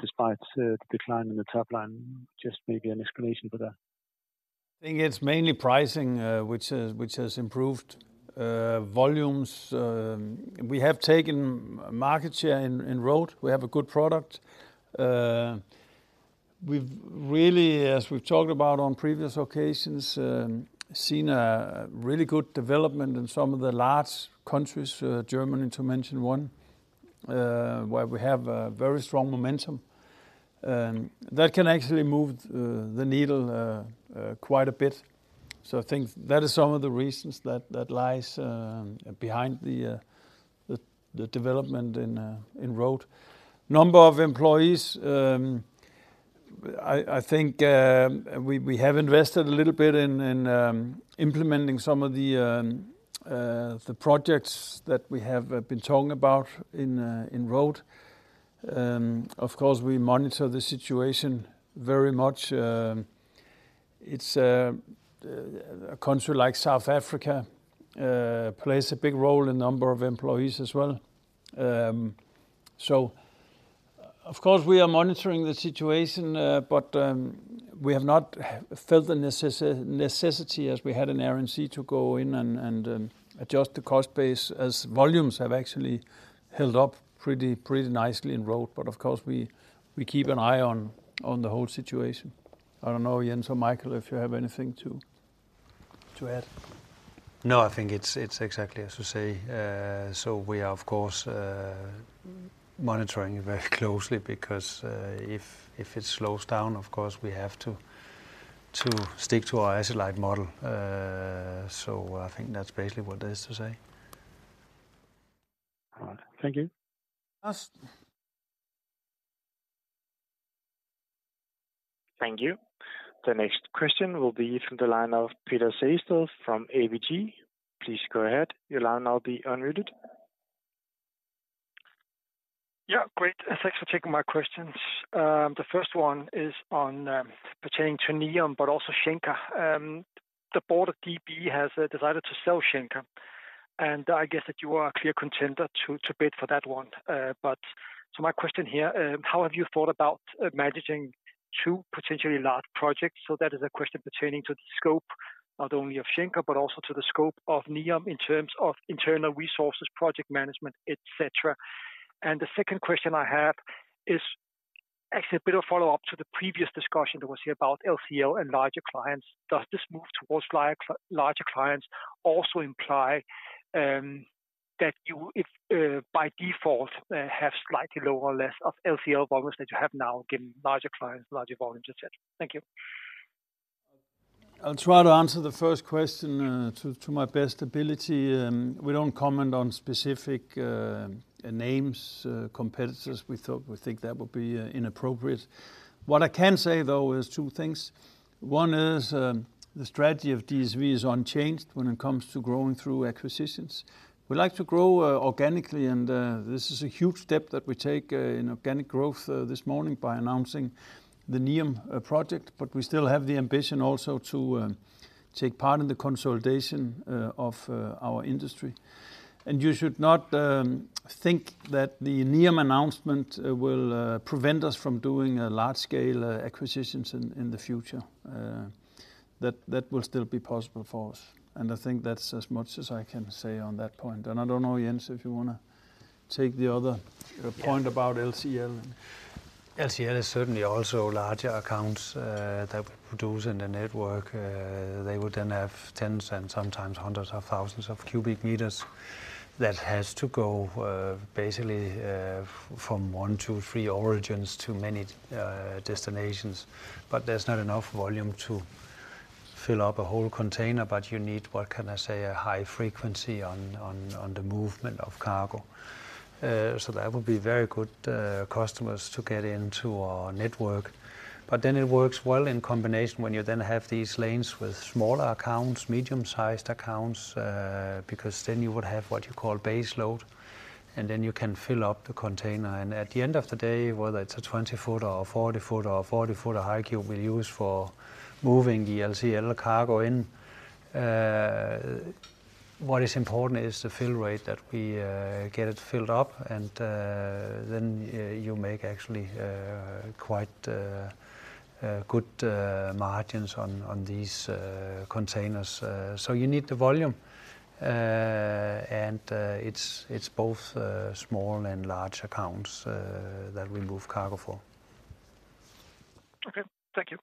despite the decline in the top line, just maybe an explanation for that. I think it's mainly pricing, which has, which has improved, volumes. We have taken market share in Road. We have a good product. We've really, as we've talked about on previous occasions, seen a really good development in some of the large countries, Germany, to mention one, where we have a very strong momentum, that can actually move the needle, quite a bit. So I think that is some of the reasons that, that lies behind the, the development in Road. Number of employees, I think, we have invested a little bit in implementing some of the, the projects that we have been talking about in Road. Of course, we monitor the situation very much. It's a country like South Africa that plays a big role in number of employees as well. Of course, we are monitoring the situation, but we have not felt the necessity as we had in Air and Sea to go in and adjust the cost base, as volumes have actually held up pretty nicely in Road. Of course, we keep an eye on the whole situation. I don't know, Jens or Michael, if you have anything to add. No, I think it's exactly as you say. So we are, of course, monitoring it very closely, because if it slows down, of course, we have to stick to our asset-light model. So I think that's basically what there is to say. All right. Thank you. Lars? Thank you. The next question will be from the line of Peter Sehested from ABG. Please go ahead. Your line will now be unmuted. Yeah, great. Thanks for taking my questions. The first one is on, pertaining to NEOM, but also Schenker. The board of DB has decided to sell Schenker, and I guess that you are a clear contender to bid for that one. So my question here, how have you thought about managing two potentially large projects? So that is a question pertaining to the scope, not only of Schenker, but also to the scope of NEOM in terms of internal resources, project management, et cetera. The second question I have is actually a bit of a follow-up to the previous discussion that was here about LCL and larger clients. Does this move towards larger clients also imply that you, if, by default, have slightly lower or less of LCL volumes that you have now, given larger clients, larger volumes, et cetera? Thank you. I'll try to answer the first question to my best ability. We don't comment on specific names, competitors. We think that would be inappropriate. What I can say, though, is two things. One is, the strategy of DSV is unchanged when it comes to growing through acquisitions. We like to grow organically, and this is a huge step that we take in organic growth this morning by announcing the NEOM project. But we still have the ambition also to take part in the consolidation of our industry. And you should not think that the NEOM announcement will prevent us from doing a large-scale acquisitions in the future. That will still be possible for us, and I think that's as much as I can say on that point. And I don't know, Jens, if you wanna take the other- Yeah Point about LCL. LCL is certainly also larger accounts, that we produce in the network. They would then have 10s and sometimes 100s of thousands of cubic meters that has to go, basically, from one to three origins to many, destinations. But there's not enough volume to fill up a whole container, but you need, what can I say, a high frequency on the movement of cargo. So that would be very good, customers to get into our network. But then it works well in combination when you then have these lanes with smaller accounts, medium-sized accounts, because then you would have what you call base load, and then you can fill up the container. At the end of the day, whether it's a 20-footer or a 40-footer, or a 40-footer high cube we use for moving the LCL cargo in, what is important is the fill rate that we get it filled up, and then you make actually quite good margins on these containers. You need the volume. It's both small and large accounts that we move cargo for. Okay. Thank you.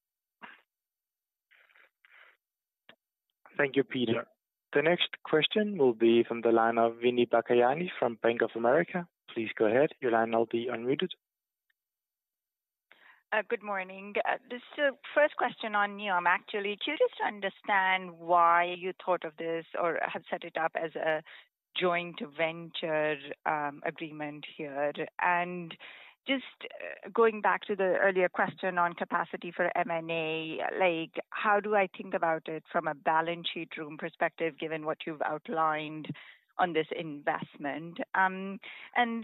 Thank you, Peter. The next question will be from the line of Renee Nalbandyan from Bank of America. Please go ahead. Your line will now be unmuted. Good morning. This is the first question on NEOM, actually. Curious to understand why you thought of this or have set it up as a joint venture, agreement here. Just going back to the earlier question on capacity for M&A, like, how do I think about it from a balance sheet room perspective, given what you've outlined on this investment?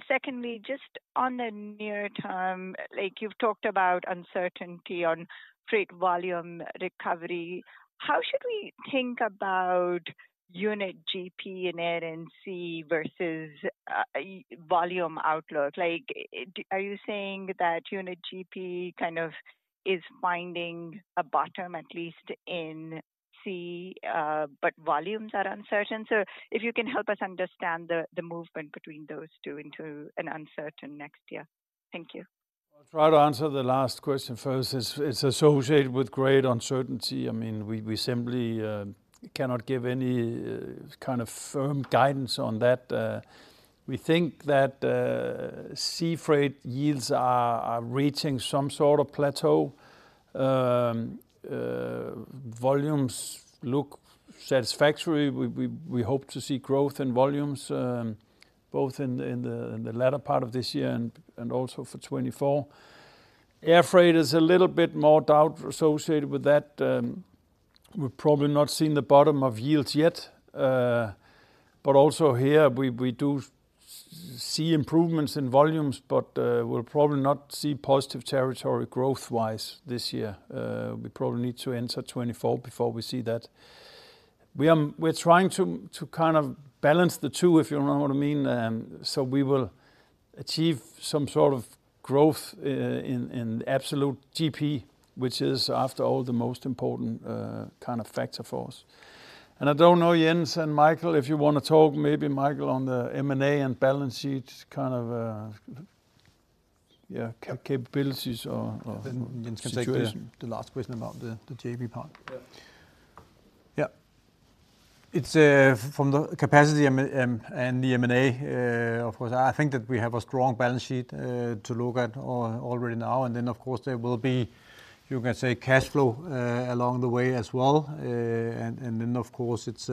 Secondly, just on the near term, like, you've talked about uncertainty on freight volume recovery. How should we think about unit GP in Air and Sea versus, volume outlook? Like, are you saying that unit GP kind of is finding a bottom, at least in Sea, but volumes are uncertain? So if you can help us understand the movement between those two into an uncertain next year. Thank you. I'll try to answer the last question first. It's associated with great uncertainty. I mean, we simply cannot give any kind of firm guidance on that. We think that Sea Freight yields are reaching some sort of plateau. Volumes look satisfactory. We hope to see growth in volumes both in the latter part of this year and also for 2024. Air Freight is a little bit more doubt associated with that. We've probably not seen the bottom of yields yet, but also here, we do see improvements in volumes, but we'll probably not see positive territory growth-wise this year. We probably need to enter 2024 before we see that. We're trying to kind of balance the two, if you know what I mean, so we will achieve some sort of growth in absolute GP, which is, after all, the most important kind of factor for us. And I don't know, Jens and Michael, if you wanna talk, maybe Michael, on the M&A and balance sheet, kind of capabilities or, Then Jens can take the last question about the JP part. Yeah. Yeah. It's from the capacity and the M&A, of course. I think that we have a strong balance sheet to look at already now, and then, of course, there will be, you can say, cash flow along the way as well. And then, of course, it's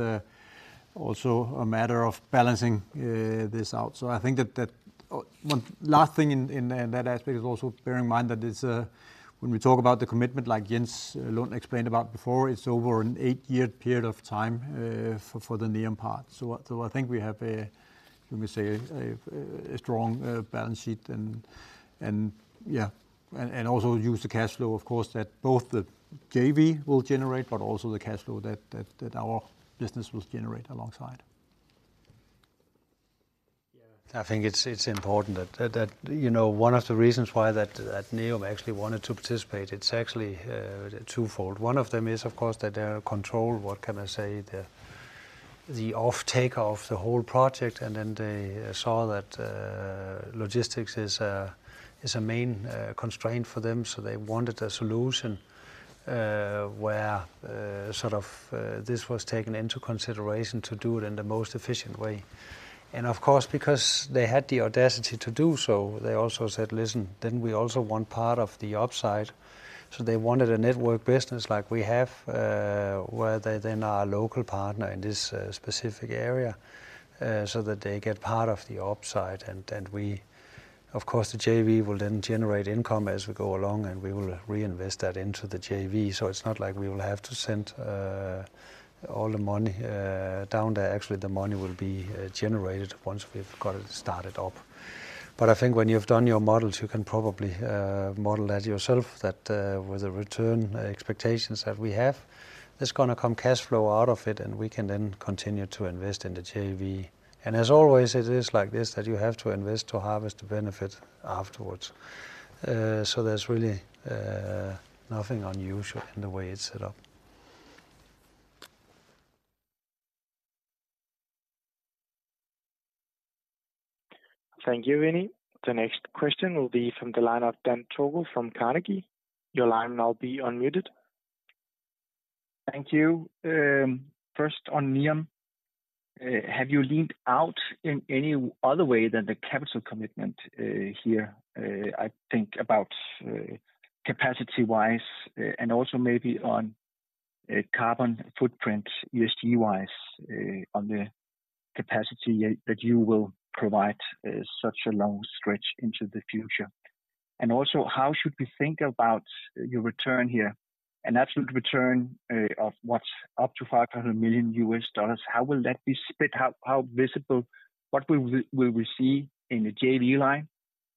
also a matter of balancing this out. So I think that... One last thing in that aspect is also bear in mind that it's, when we talk about the commitment, like Jens Lund explained about before, it's over an eight-year period of time, for the NEOM part. So I think we have a, let me say, a strong balance sheet and yeah, also use the cash flow, of course, that both the JV will generate, but also the cash flow that our business will generate alongside. Yeah, I think it's important that, you know, one of the reasons why NEOM actually wanted to participate, it's actually twofold. One of them is, of course, that they are control, what can I say, the offtake of the whole project, and then they saw that logistics is a main constraint for them. So they wanted a solution where sort of this was taken into consideration to do it in the most efficient way. And of course, because they had the audacity to do so, they also said, "Listen, then we also want part of the upside." So they wanted a network business like we have where they then are a local partner in this specific area so that they get part of the upside. Of course, the JV will then generate income as we go along, and we will reinvest that into the JV. So it's not like we will have to send all the money down there. Actually, the money will be generated once we've got it started up. But I think when you've done your models, you can probably model that yourself, that with the return expectations that we have, there's gonna come cash flow out of it, and we can then continue to invest in the JV. And as always, it is like this, that you have to invest to harvest the benefit afterwards. So there's really nothing unusual in the way it's set up. Thank you, Renee. The next question will be from the line of Dan Togo from Carnegie. Your line now will be unmuted. Thank you. First, on NEOM, have you leaned out in any other way than the capital commitment here? I think about capacity-wise, and also maybe on carbon footprint, ESGWise, on the capacity that you will provide such a long stretch into the future. And also, how should we think about your return here? An absolute return of up to $500 million, how will that be split? How visible, what will we see in the JV line,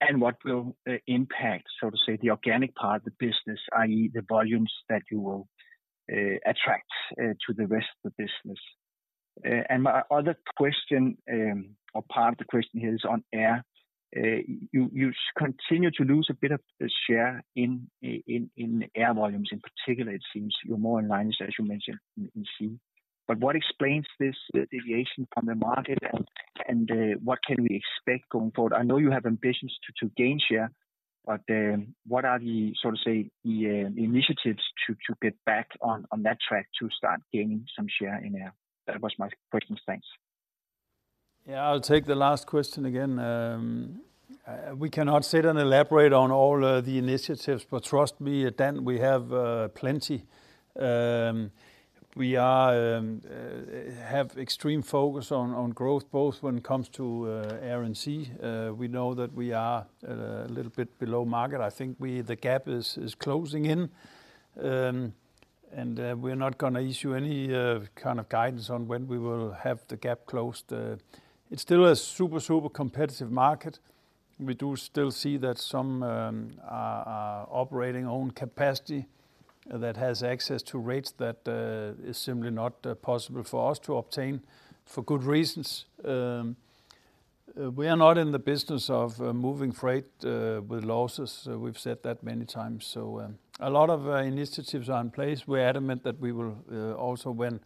and what will impact, so to say, the organic part of the business, i.e., the volumes that you will attract to the rest of the business? And my other question, or part of the question here, is on air. You continue to lose a bit of the share in air volumes, in particular. It seems you're more in line, as you mentioned, in sea. But what explains this deviation from the market, and what can we expect going forward? I know you have ambitions to gain share, but what are the, so to say, the initiatives to get back on that track to start gaining some share in air? That was my questions. Thanks. Yeah, I'll take the last question again. We cannot sit and elaborate on all the initiatives, but trust me, Dan, we have plenty. We are have extreme focus on growth, both when it comes to Air and Sea. We know that we are a little bit below market. I think the gap is closing in, and we're not gonna issue any kind of guidance on when we will have the gap closed. It's still a super, super competitive market. We do still see that some are operating own capacity that has access to rates that is simply not possible for us to obtain, for good reasons. We are not in the business of moving freight with losses. We've said that many times, so, a lot of initiatives are in place. We're adamant that we will also when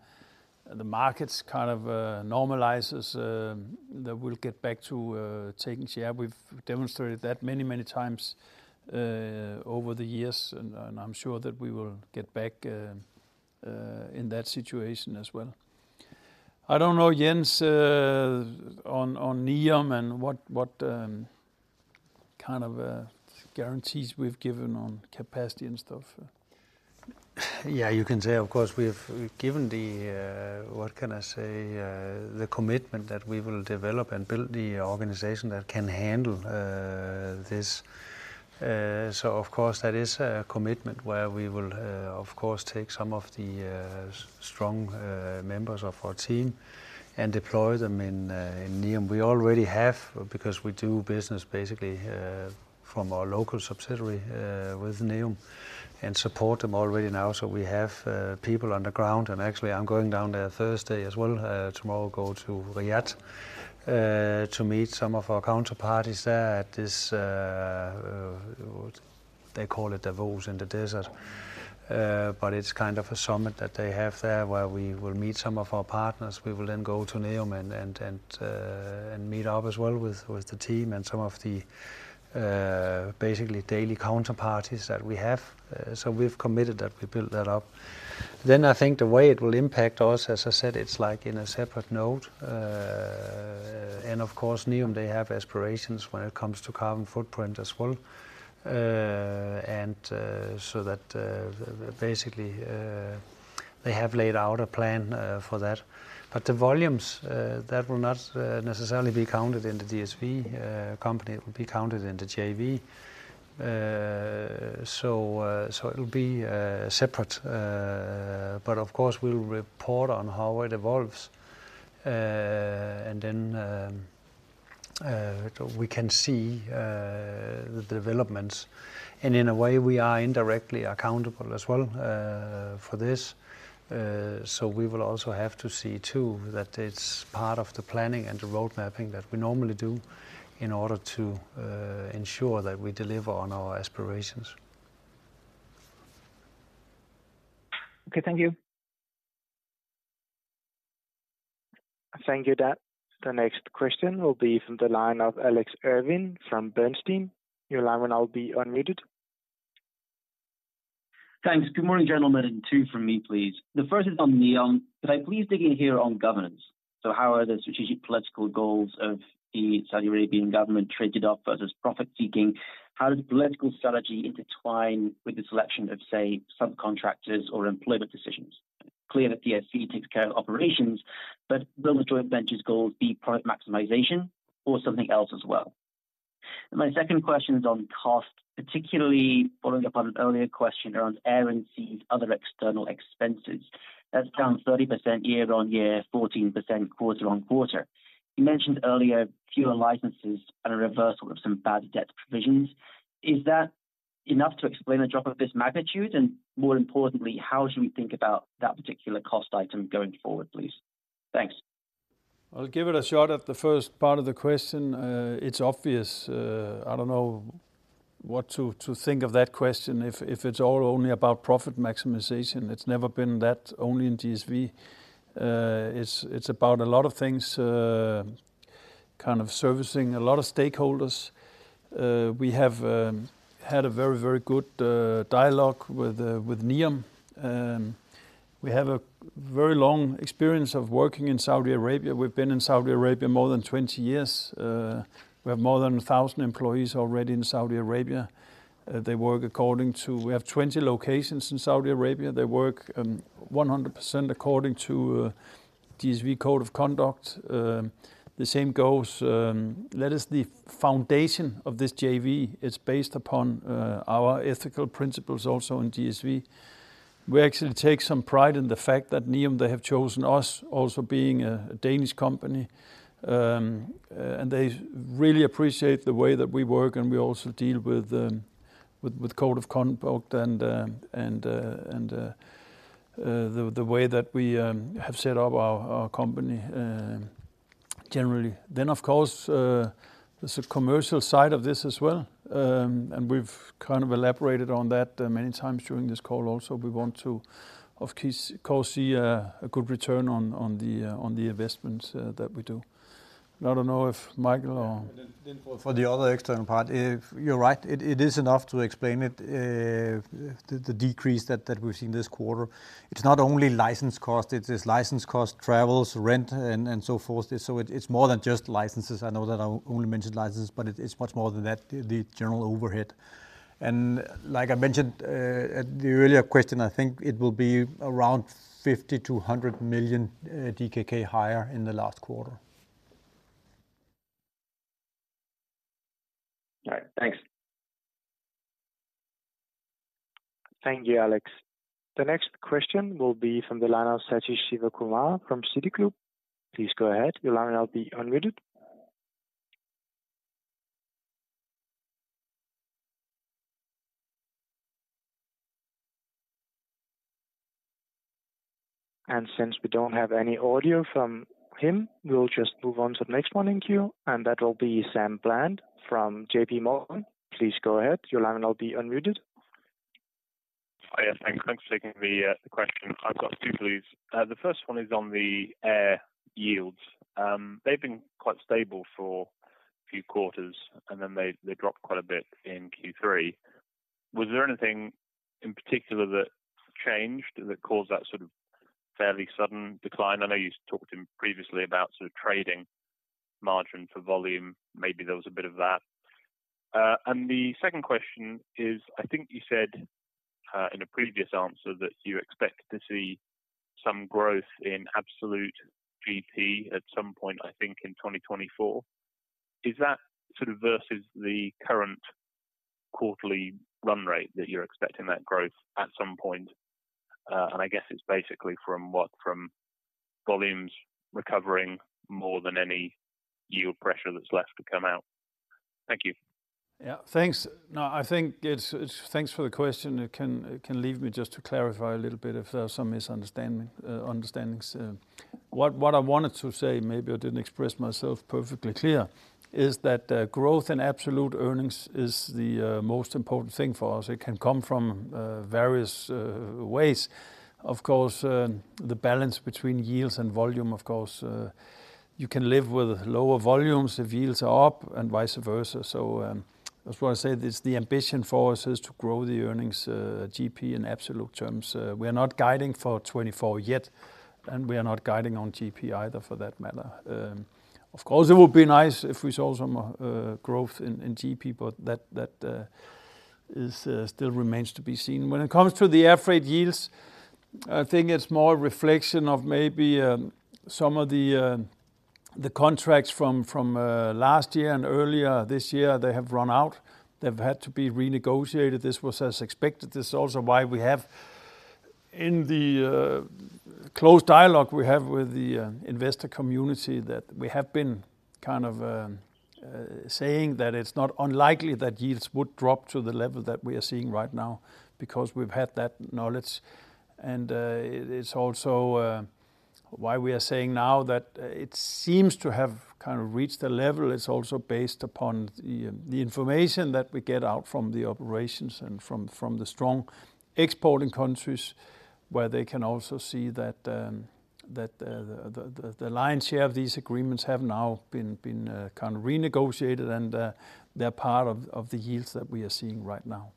the markets kind of normalizes that we'll get back to taking share. We've demonstrated that many, many times over the years, and, and I'm sure that we will get back in that situation as well. I don't know, Jens, on, on NEOM and what, what kind of guarantees we've given on capacity and stuff. Yeah, you can say, of course, we've given the... what can I say? The commitment that we will develop and build the organization that can handle this. So of course, that is a commitment where we will, of course, take some of the strong members of our team and deploy them in NEOM. We already have, because we do business basically from our local subsidiary with NEOM, and support them already now. So we have people on the ground, and actually, I'm going down there Thursday as well. Tomorrow, go to Riyadh to meet some of our counterparties there at this, they call it the Davos in the Desert. But it's kind of a summit that they have there, where we will meet some of our partners. We will then go to NEOM and meet up as well with the team and some of the basically daily counterparties that we have. So we've committed that we build that up. Then, I think the way it will impact us, as I said, it's like in a separate note. And of course, NEOM, they have aspirations when it comes to carbon footprint as well. And so that basically they have laid out a plan for that. But the volumes that will not necessarily be counted in the DSV company, it will be counted in the JV so, so it'll be separate. But of course, we'll report on how it evolves. And then, we can see the developments, and in a way, we are indirectly accountable as well, for this. So we will also have to see, too, that it's part of the planning and the road mapping that we normally do in order to ensure that we deliver on our aspirations. Okay, thank you. Thank you, Dan. The next question will be from the line of Alex Irving from Bernstein. Your line will now be unmuted. Thanks. Good morning, gentlemen. Two from me, please. The first is on NEOM. Could I please dig in here on governance? So how are the strategic political goals of the Saudi Arabian government traded off versus profit-seeking? How does political strategy intertwine with the selection of, say, subcontractors or employment decisions? It's clear that DSV takes care of operations, but will the joint venture's goals be profit maximization or something else as well? My second question is on cost, particularly following up on an earlier question around air and sea and other external expenses. That's down 30% year-on-year, 14% quarter-on-quarter. You mentioned earlier, fewer licenses and a reversal of some bad debt provisions. Is that enough to explain a drop of this magnitude? And more importantly, how should we think about that particular cost item going forward, please? Thanks. I'll give it a shot at the first part of the question. It's obvious, I don't know what to think of that question if it's all only about profit maximization. It's never been that only in DSV. It's about a lot of things, kind of servicing a lot of stakeholders. We have had a very, very good dialogue with NEOM. We have a very long experience of working in Saudi Arabia. We've been in Saudi Arabia more than 20 years. We have more than 1,000 employees already in Saudi Arabia. They work according to... We have 20 locations in Saudi Arabia. They work 100% according to DSV Code of Conduct. The same goes, that is the foundation of this JV. It's based upon our ethical principles also in DSV. We actually take some pride in the fact that NEOM, they have chosen us also being a Danish company. And they really appreciate the way that we work, and we also deal with code of conduct and the way that we have set up our company generally. Then, of course, there's a commercial side of this as well, and we've kind of elaborated on that many times during this call also. We want to, of course, see a good return on the investments that we do. I don't know if Michael or- Then for the other external part, if you're right, it is enough to explain it, the decrease that we've seen this quarter. It's not only license cost, it's this license cost, travels, rent, and so forth. So it's more than just licenses. I know that I only mentioned licenses, but it's much more than that, the general overhead. And like I mentioned, at the earlier question, I think it will be around 50-100 million DKK higher in the last quarter. All right. Thanks. Thank you, Alex. The next question will be from the line of Sathish Sivakumar from Citigroup. Please go ahead. Your line will now be unmuted. And since we don't have any audio from him, we'll just move on to the next one in queue, and that will be Sam Bland from JP Morgan. Please go ahead. Your line will now be unmuted. Oh, yeah, thanks. Thanks for taking the question. I've got two, please. The first one is on the air yields. They've been quite stable for a few quarters, and then they, they dropped quite a bit in Q3. Was there anything in particular that changed, that caused that sort of fairly sudden decline? I know you talked in previously about sort of trading margin for volume. Maybe there was a bit of that. And the second question is, I think you said in a previous answer, that you expect to see some growth in absolute GP at some point, I think, in 2024. Is that sort of versus the current quarterly run rate that you're expecting that growth at some point? And I guess it's basically from what, from volumes recovering more than any yield pressure that's left to come out. Thank you. Yeah, thanks. No, I think it's. Thanks for the question. It can lead me just to clarify a little bit if there are some misunderstandings. What I wanted to say, maybe I didn't express myself perfectly clear, is that growth in absolute earnings is the most important thing for us. It can come from various ways. Of course, the balance between yields and volume, of course, you can live with lower volumes if yields are up, and vice versa. So, that's why I said it's the ambition for us is to grow the earnings, GP, in absolute terms. We are not guiding for 2024 yet, and we are not guiding on GP either for that matter. Of course, it would be nice if we saw some growth in GP, but that is still remains to be seen. When it comes to the air freight yields, I think it's more a reflection of maybe some of the, the contracts from last year and earlier this year, they have run out. They've had to be renegotiated. This was as expected. This is also why we have in the close dialogue we have with the investor community, that we have been kind of saying that it's not unlikely that yields would drop to the level that we are seeing right now, because we've had that knowledge. And it is also why we are saying now that it seems to have kind of reached a level. It's also based upon the information that we get out from the operations and from the strong exporting countries, where they can also see that the lion's share of these agreements have now been kind of renegotiated, and they're part of the yields that we are seeing right now.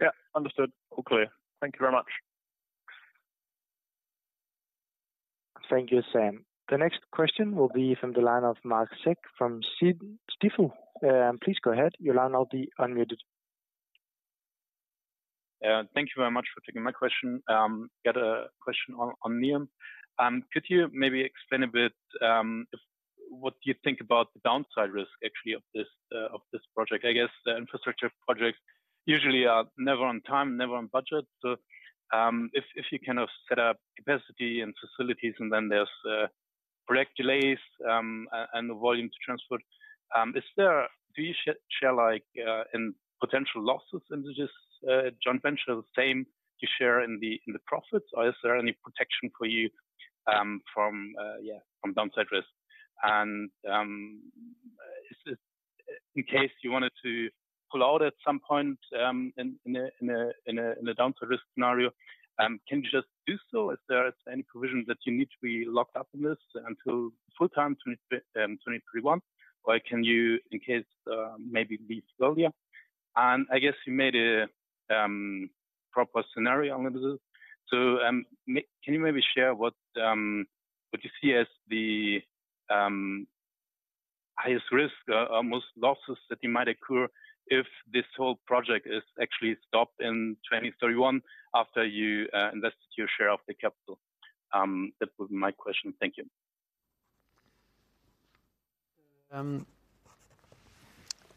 Yeah, understood. All clear. Thank you very much. Thank you, Sam. The next question will be from the line of Marc Sherlock from Stifel. Please go ahead. Your line will now be unmuted. Thank you very much for taking my question. Got a question on NEOM. Could you maybe explain a bit if what you think about the downside risk actually of this project? I guess the infrastructure projects usually are never on time, never on budget. So, if you kind of set up capacity and facilities, and then there's project delays, and the volume to transport, do you share, like, in potential losses in this joint venture the same you share in the profits, or is there any protection for you from yeah, from downside risk? And, is it in case you wanted to pull out at some point in a downside risk scenario, can you just do so? Is there any provision that you need to be locked up in this until full time, 2031? Or can you, in case, maybe leave earlier? And I guess you made a proper scenario on this. Can you maybe share what what you see as the highest risk or most losses that you might occur if this whole project is actually stopped in 2031 after you invested your share of the capital? That was my question. Thank you.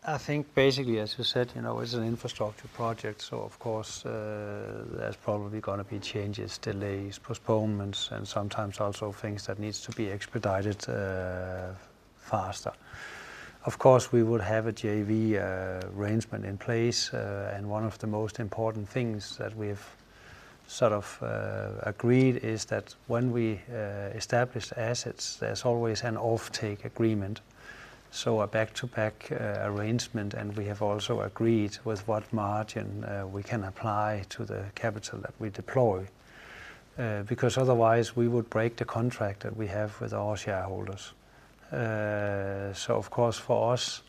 I think basically, as you said, you know, it's an infrastructure project, so of course, there's probably gonna be changes, delays, postponements, and sometimes also things that needs to be expedited faster. Of course, we would have a JV arrangement in place, and one of the most important things that we've sort of agreed is that when we establish assets, there's always an offtake agreement, so a back-to-back arrangement. And we have also agreed with what margin we can apply to the capital that we deploy, because otherwise we would break the contract that we have with our shareholders. So of course, for us,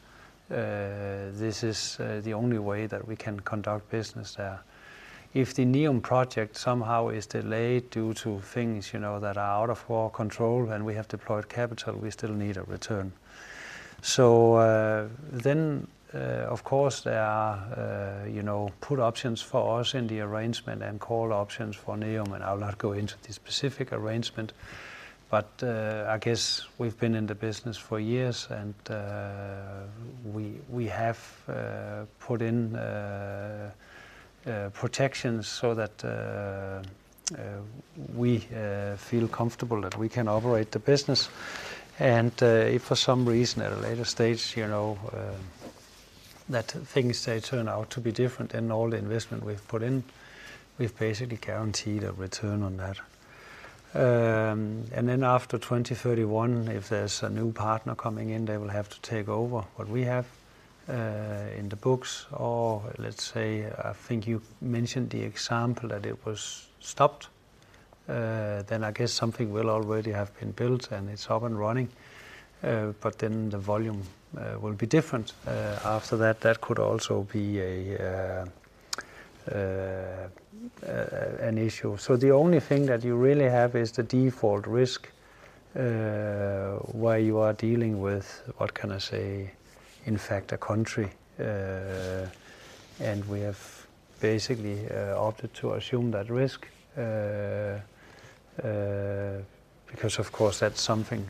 this is the only way that we can conduct business there. If the NEOM project somehow is delayed due to things, you know, that are out of our control, and we have deployed capital, we still need a return. So, then, of course, there are, you know, put options for us in the arrangement and call options for NEOM, and I'll not go into the specific arrangement. But, I guess we've been in the business for years, and we have put in protections so that we feel comfortable that we can operate the business. And, if for some reason, at a later stage, you know, that things they turn out to be different, and all the investment we've put in, we've basically guaranteed a return on that. And then after 2031, if there's a new partner coming in, they will have to take over what we have in the books. Or let's say, I think you mentioned the example that it was stopped, then I guess something will already have been built, and it's up and running, but then the volume will be different. After that, that could also be an issue. So the only thing that you really have is the default risk, where you are dealing with, what can I say, in fact, a country. And we have basically opted to assume that risk, because of course, that's something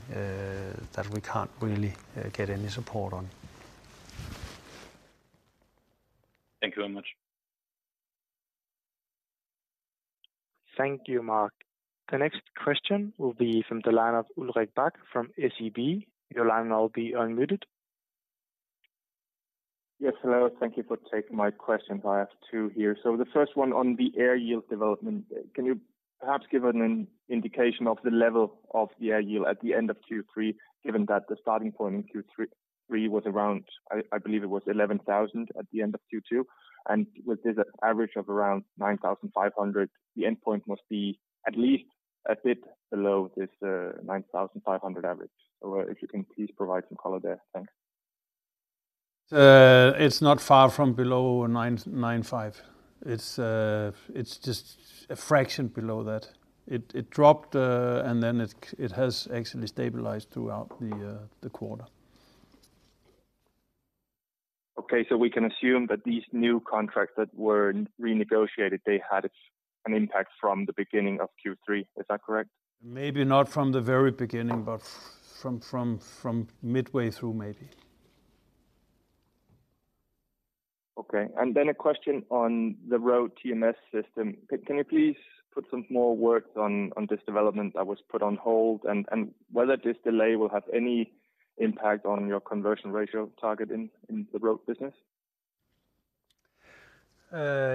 that we can't really get any support on. Thank you very much. Thank you, Marc. The next question will be from the line of Ulrich Beck from SEB. Your line will now be unmuted. Yes, hello, thank you for taking my questions. I have two here. So the first one on the air yield development, can you perhaps give an indication of the level of the air yield at the end of Q3, given that the starting point in Q3 2023 was around, I believe it was 11,000 at the end of Q2, and with this average of around 9,500, the endpoint must be at least a bit below this 9,500 average. So if you can, please provide some color there. Thanks. It's not far from below 995. It's just a fraction below that. It dropped, and then it has actually stabilized throughout the quarter. Okay, so we can assume that these new contracts that were renegotiated, they had an impact from the beginning of Q3, is that correct? Maybe not from the very beginning, but from midway through maybe. Okay. And then a question on the Road TMS system. Can you please put some more words on, on this development that was put on hold, and, and whether this delay will have any impact on your conversion ratio target in, in the Road business?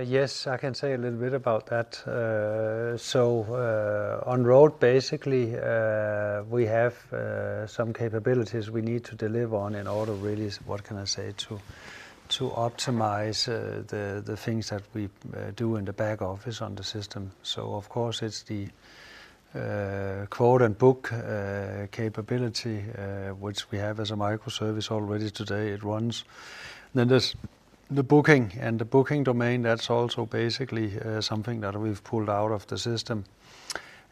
Yes, I can say a little bit about that. So, on Road, basically, we have some capabilities we need to deliver on in order to really, what can I say? To, to optimize, the, the things that we do in the back office on the system. So of course, it's the quote and book capability, which we have as a microservice already today, it runs. Then there's the booking and the booking domain, that's also basically something that we've pulled out of the system.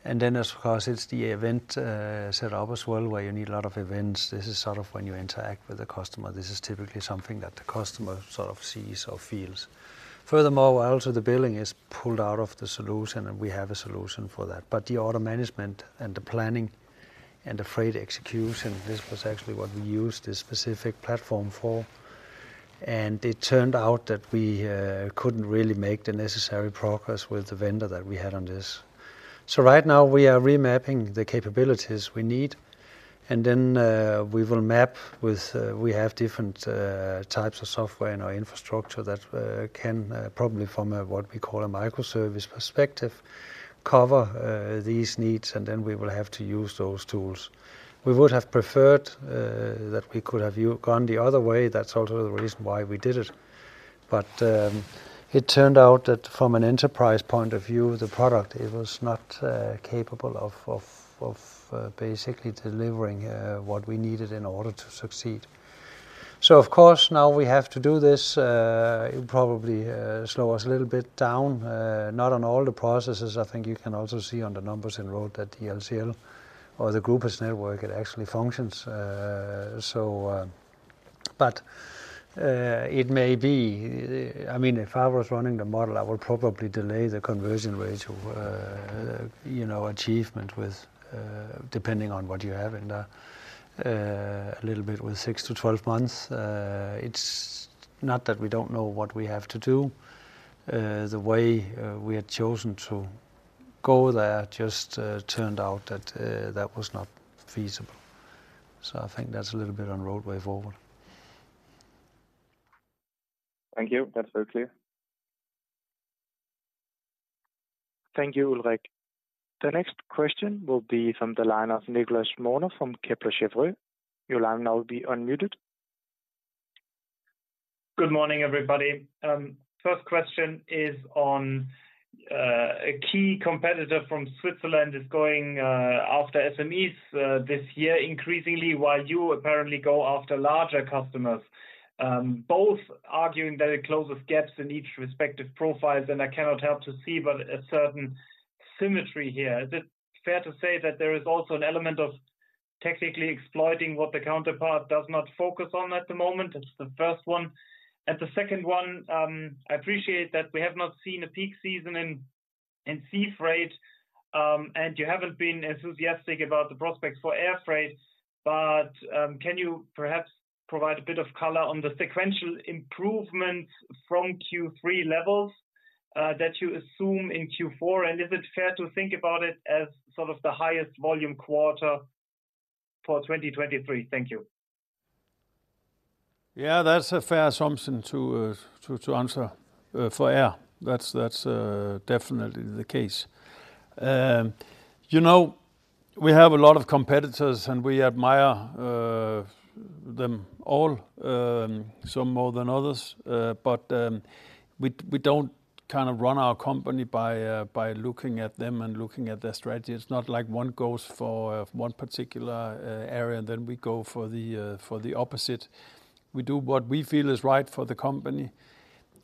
And then, of course, it's the event set up as well, where you need a lot of events. This is sort of when you interact with the customer. This is typically something that the customer sort of sees or feels. Furthermore, also the billing is pulled out of the solution, and we have a solution for that. But the order management and the planning and the freight execution, this was actually what we used this specific platform for, and it turned out that we couldn't really make the necessary progress with the vendor that we had on this. So right now we are remapping the capabilities we need, and then we will map with... We have different types of software in our infrastructure that can probably from a, what we call a microservice perspective, cover these needs, and then we will have to use those tools. We would have preferred that we could have gone the other way. That's also the reason why we did it. But, it turned out that from an enterprise point of view, the product, it was not capable of basically delivering what we needed in order to succeed. So of course, now we have to do this, it'll probably slow us a little bit down, not on all the processes. I think you can also see on the numbers in Road that the LCL or the group's network, it actually functions. So, but, it may be... I mean, if I was running the model, I would probably delay the conversion rate to, you know, achievement with, depending on what you have in the, little bit, with six to 12 months. It's not that we don't know what we have to do, the way we had chosen to go there just turned out that that was not feasible. So I think that's a little bit on Road way forward. Thank you. That's very clear. Thank you, Ulrich. The next question will be from the line of Nicolas Mora from Kepler Cheuvreux. Your line now will be unmuted. Good morning, everybody. First question is on a key competitor from Switzerland going after SMEs this year increasingly, while you apparently go after larger customers. Both arguing that it closes gaps in each respective profiles, and I cannot help but see a certain symmetry here. Is it fair to say that there is also an element of technically exploiting what the counterpart does not focus on at the moment? That's the first one. And the second one, I appreciate that we have not seen a peak season in sea freight, and you haven't been enthusiastic about the prospects for air freight, but can you perhaps provide a bit of color on the sequential improvement from Q3 levels that you assume in Q4? Is it fair to think about it as sort of the highest volume quarter for 2023? Thank you. Yeah, that's a fair assumption to answer for air. That's definitely the case. You know, we have a lot of competitors, and we admire them all, some more than others. But we don't kind of run our company by looking at them and looking at their strategy. It's not like one goes for one particular area, and then we go for the opposite. We do what we feel is right for the company.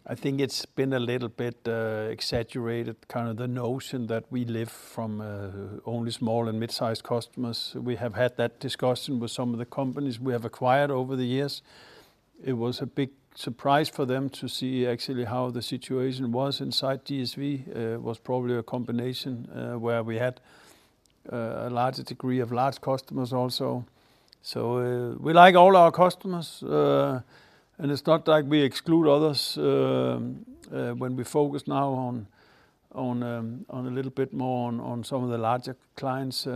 I think it's been a little bit exaggerated, kind of the notion that we live from only small and mid-sized customers. We have had that discussion with some of the companies we have acquired over the years. It was a big surprise for them to see actually how the situation was inside DSV. Was probably a combination where we had a larger degree of large customers also. So, we like all our customers, and it's not like we exclude others when we focus now on a little bit more on some of the larger clients.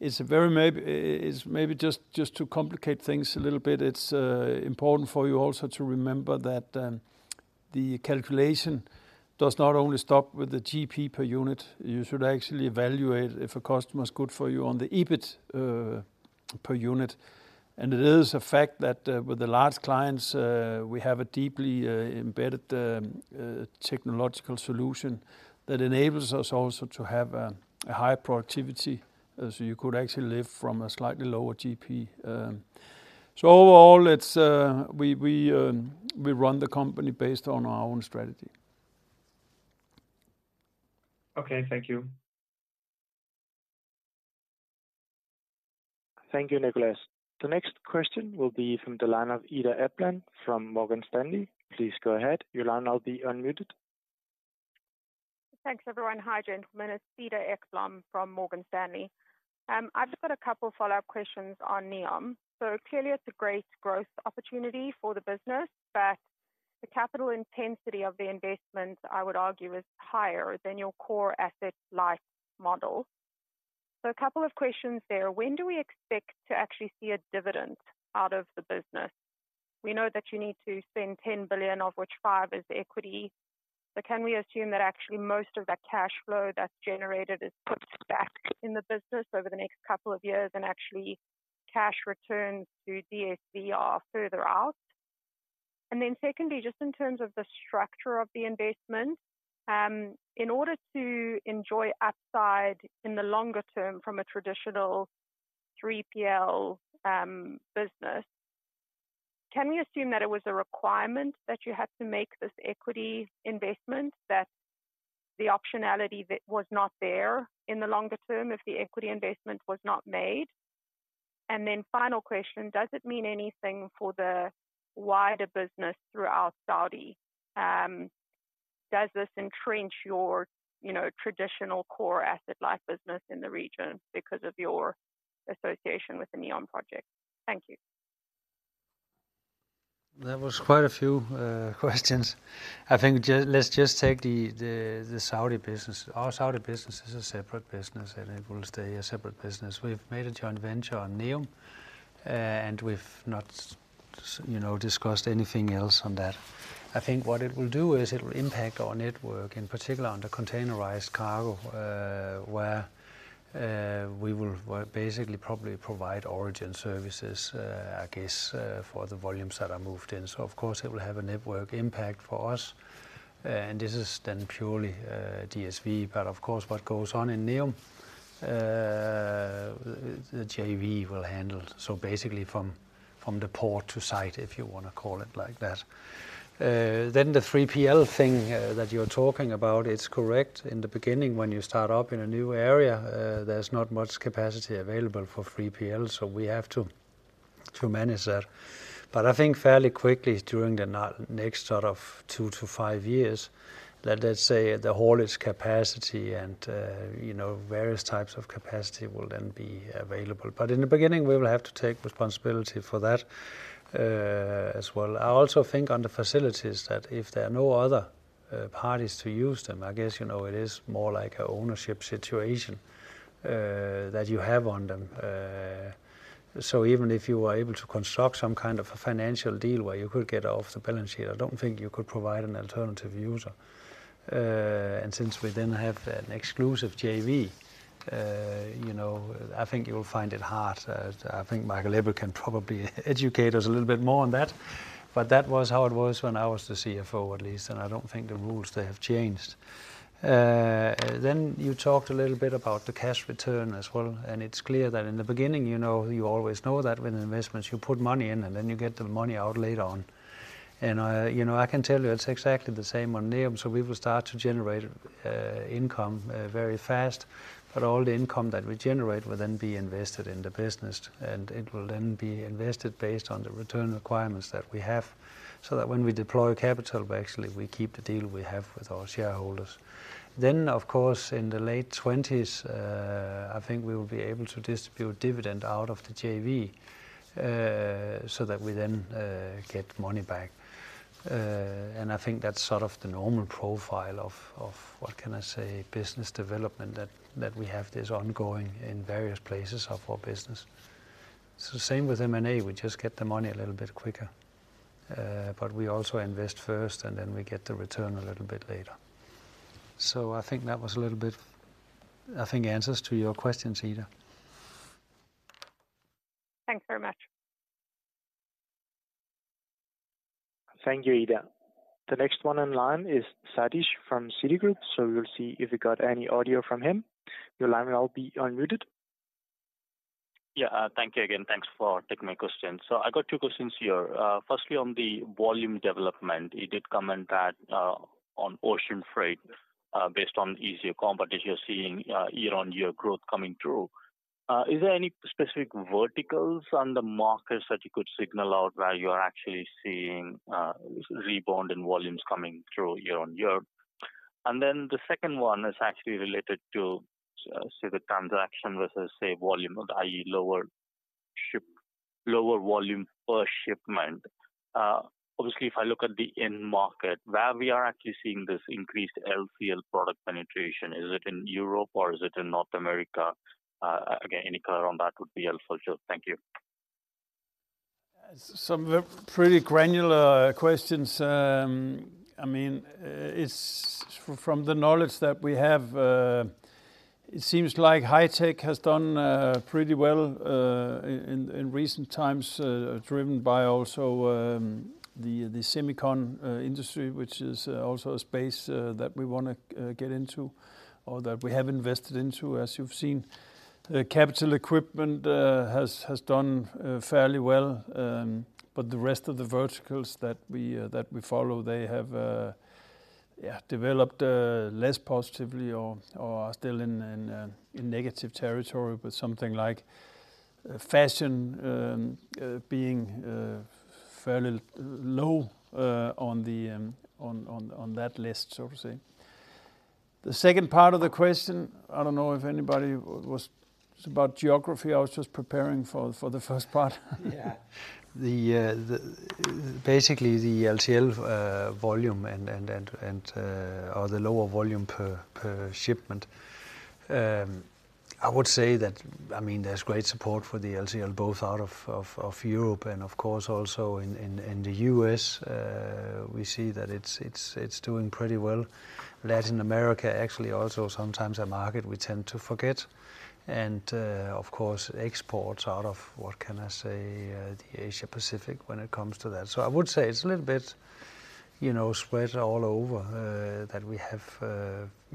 It's a very maybe, it's maybe just to complicate things a little bit, it's important for you also to remember that the calculation does not only stop with the GP per unit. You should actually evaluate if a customer is good for you on the EBIT per unit. And it is a fact that with the large clients we have a deeply embedded technological solution that enables us also to have a high productivity so you could actually live from a slightly lower GP. Overall, it's we run the company based on our own strategy. Okay. Thank you. Thank you, Nicholas. The next question will be from the line of Cedar Ekblom from Morgan Stanley. Please go ahead. Your line will now be unmuted. Thanks, everyone. Hi, gentlemen. It's Cedar Ekblom from Morgan Stanley. I've just got a couple follow-up questions on NEOM. So clearly it's a great growth opportunity for the business, but the capital intensity of the investment, I would argue, is higher than your core asset light model. So a couple of questions there: When do we expect to actually see a dividend out of the business? We know that you need to spend $10 billion, of which $5 billion is equity. So can we assume that actually most of that cash flow that's generated is put back in the business over the next couple of years, and actually, cash returns to DSV are further out? And then secondly, just in terms of the structure of the investment, in order to enjoy upside in the longer term from a traditional 3PL business, can we assume that it was a requirement that you had to make this equity investment, that the optionality that was not there in the longer term, if the equity investment was not made? And then final question, does it mean anything for the wider business throughout Saudi? Does this entrench your, you know, traditional core asset light business in the region because of your association with the NEOM project? Thank you. That was quite a few questions. I think let's just take the Saudi business. Our Saudi business is a separate business, and it will stay a separate business. We've made a joint venture on NEOM, and we've not, you know, discussed anything else on that. I think what it will do is it will impact our network, in particular on the containerized cargo, where we will, well, basically probably provide origin services, I guess, for the volumes that are moved in. So of course, it will have a network impact for us, and this is then purely DSV. But of course, what goes on in NEOM, the JV will handle. So basically from the port to site, if you wanna call it like that. Then the 3PL thing that you're talking about, it's correct. In the beginning, when you start up in a new area, there's not much capacity available for 3PL, so we have to manage that. But I think fairly quickly, during the next sort of two to five years, let's say, the haulage capacity and, you know, various types of capacity will then be available. But in the beginning, we will have to take responsibility for that, as well. I also think on the facilities, that if there are no other parties to use them, I guess, you know, it is more like a ownership situation that you have on them. So even if you were able to construct some kind of a financial deal where you could get it off the balance sheet, I don't think you could provide an alternative user. And since we then have an exclusive JV, you know, I think you will find it hard. I think Michael Ebbe can probably educate us a little bit more on that, but that was how it was when I was the CFO, at least, and I don't think the rules they have changed. Then you talked a little bit about the cash return as well, and it's clear that in the beginning, you know, you always know that with investments, you put money in and then you get the money out later on. And, you know, I can tell you it's exactly the same on NEOM. So we will start to generate income very fast, but all the income that we generate will then be invested in the business. It will then be invested based on the return requirements that we have, so that when we deploy capital, we actually keep the deal we have with our shareholders. Then, of course, in the late 20s, I think we will be able to distribute dividend out of the JV, so that we then get money back. And I think that's sort of the normal profile of what can I say, business development that we have this ongoing in various places of our business. Same with M&A, we just get the money a little bit quicker. But we also invest first, and then we get the return a little bit later. I think that was a little bit, I think, answers to your questions, Cedar. Thanks very much. Thank you, Ida. The next one online is Satish from Citigroup, so we'll see if we got any audio from him. Your line will now be unmuted. Yeah, thank you again, thanks for taking my question. So I got two questions here. Firstly, on the volume development, you did comment that, on ocean freight, based on easier competition, you're seeing, year-on-year growth coming through. Is there any specific verticals on the markets that you could single out where you are actually seeing, rebound in volumes coming through year-on-year? And then the second one is actually related to, say, the transaction versus, say, volume, i.e., lower volume per shipment. Obviously, if I look at the end market, where we are actually seeing this increased LCL product penetration, is it in Europe or is it in North America? Again, any color on that would be helpful. Sure. Thank you. Some pretty granular questions. I mean, it's from the knowledge that we have, it seems like high tech has done pretty well in recent times, driven by also the semiconductor industry, which is also a space that we wanna get into or that we have invested into, as you've seen. The capital equipment has done fairly well, but the rest of the verticals that we follow, they have yeah, developed less positively or are still in negative territory with something like fashion being fairly low on that list, so to say. The second part of the question, I don't know if anybody was about geography. I was just preparing for the first part. Yeah. The basically, the LCL volume and or the lower volume per shipment. I would say that, I mean, there's great support for the LCL, both out of Europe and of course, also in the U.S. We see that it's doing pretty well. Latin America, actually, also sometimes a market we tend to forget, and of course, exports out of, what can I say, the Asia Pacific when it comes to that. So I would say it's a little bit, you know, spread all over that we have,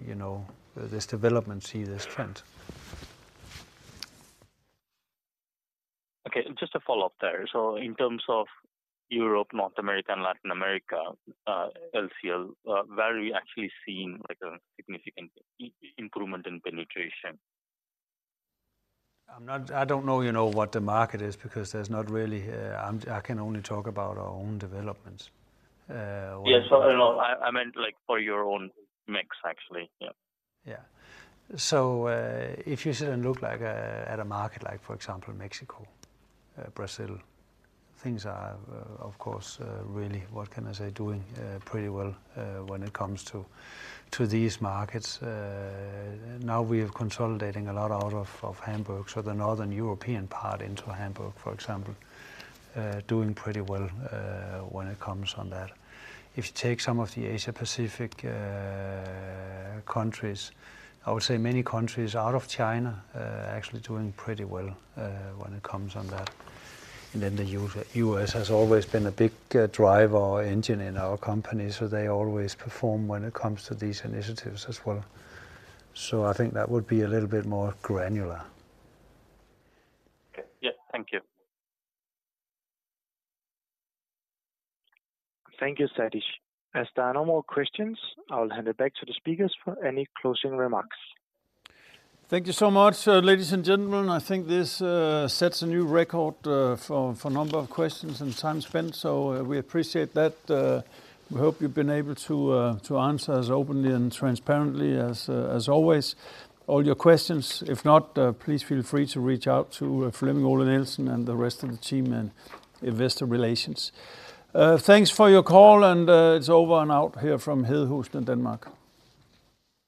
you know, this development, see this trend. Okay, just a follow-up there. So in terms of Europe, North America, and Latin America, LCL, where are we actually seeing, like, a significant improvement in penetration? I don't know, you know, what the market is because there's not really. I can only talk about our own developments. Yeah. So, no, I meant, like, for your own mix, actually. Yeah. Yeah. So, if you sit and look like, at a market like, for example, Mexico, Brazil, things are, of course, really, what can I say, doing, pretty well, when it comes to, to these markets. Now we are consolidating a lot out of, of Hamburg, so the Northern European part into Hamburg, for example, doing pretty well, when it comes on that. If you take some of the Asia Pacific, countries, I would say many countries out of China, are actually doing pretty well, when it comes on that. And then the U.S. has always been a big, driver or engine in our company, so they always perform when it comes to these initiatives as well. So I think that would be a little bit more granular. Okay. Yeah. Thank you. Thank you, Satish. As there are no more questions, I'll hand it back to the speakers for any closing remarks. Thank you so much, ladies and gentlemen. I think this sets a new record for number of questions and time spent, so we appreciate that. We hope you've been able to answer as openly and transparently as always, all your questions. If not, please feel free to reach out to Flemming Ole Nielsen and the rest of the team in Investor Relations. Thanks for your call, and it's over and out here from Hedehusene, Denmark.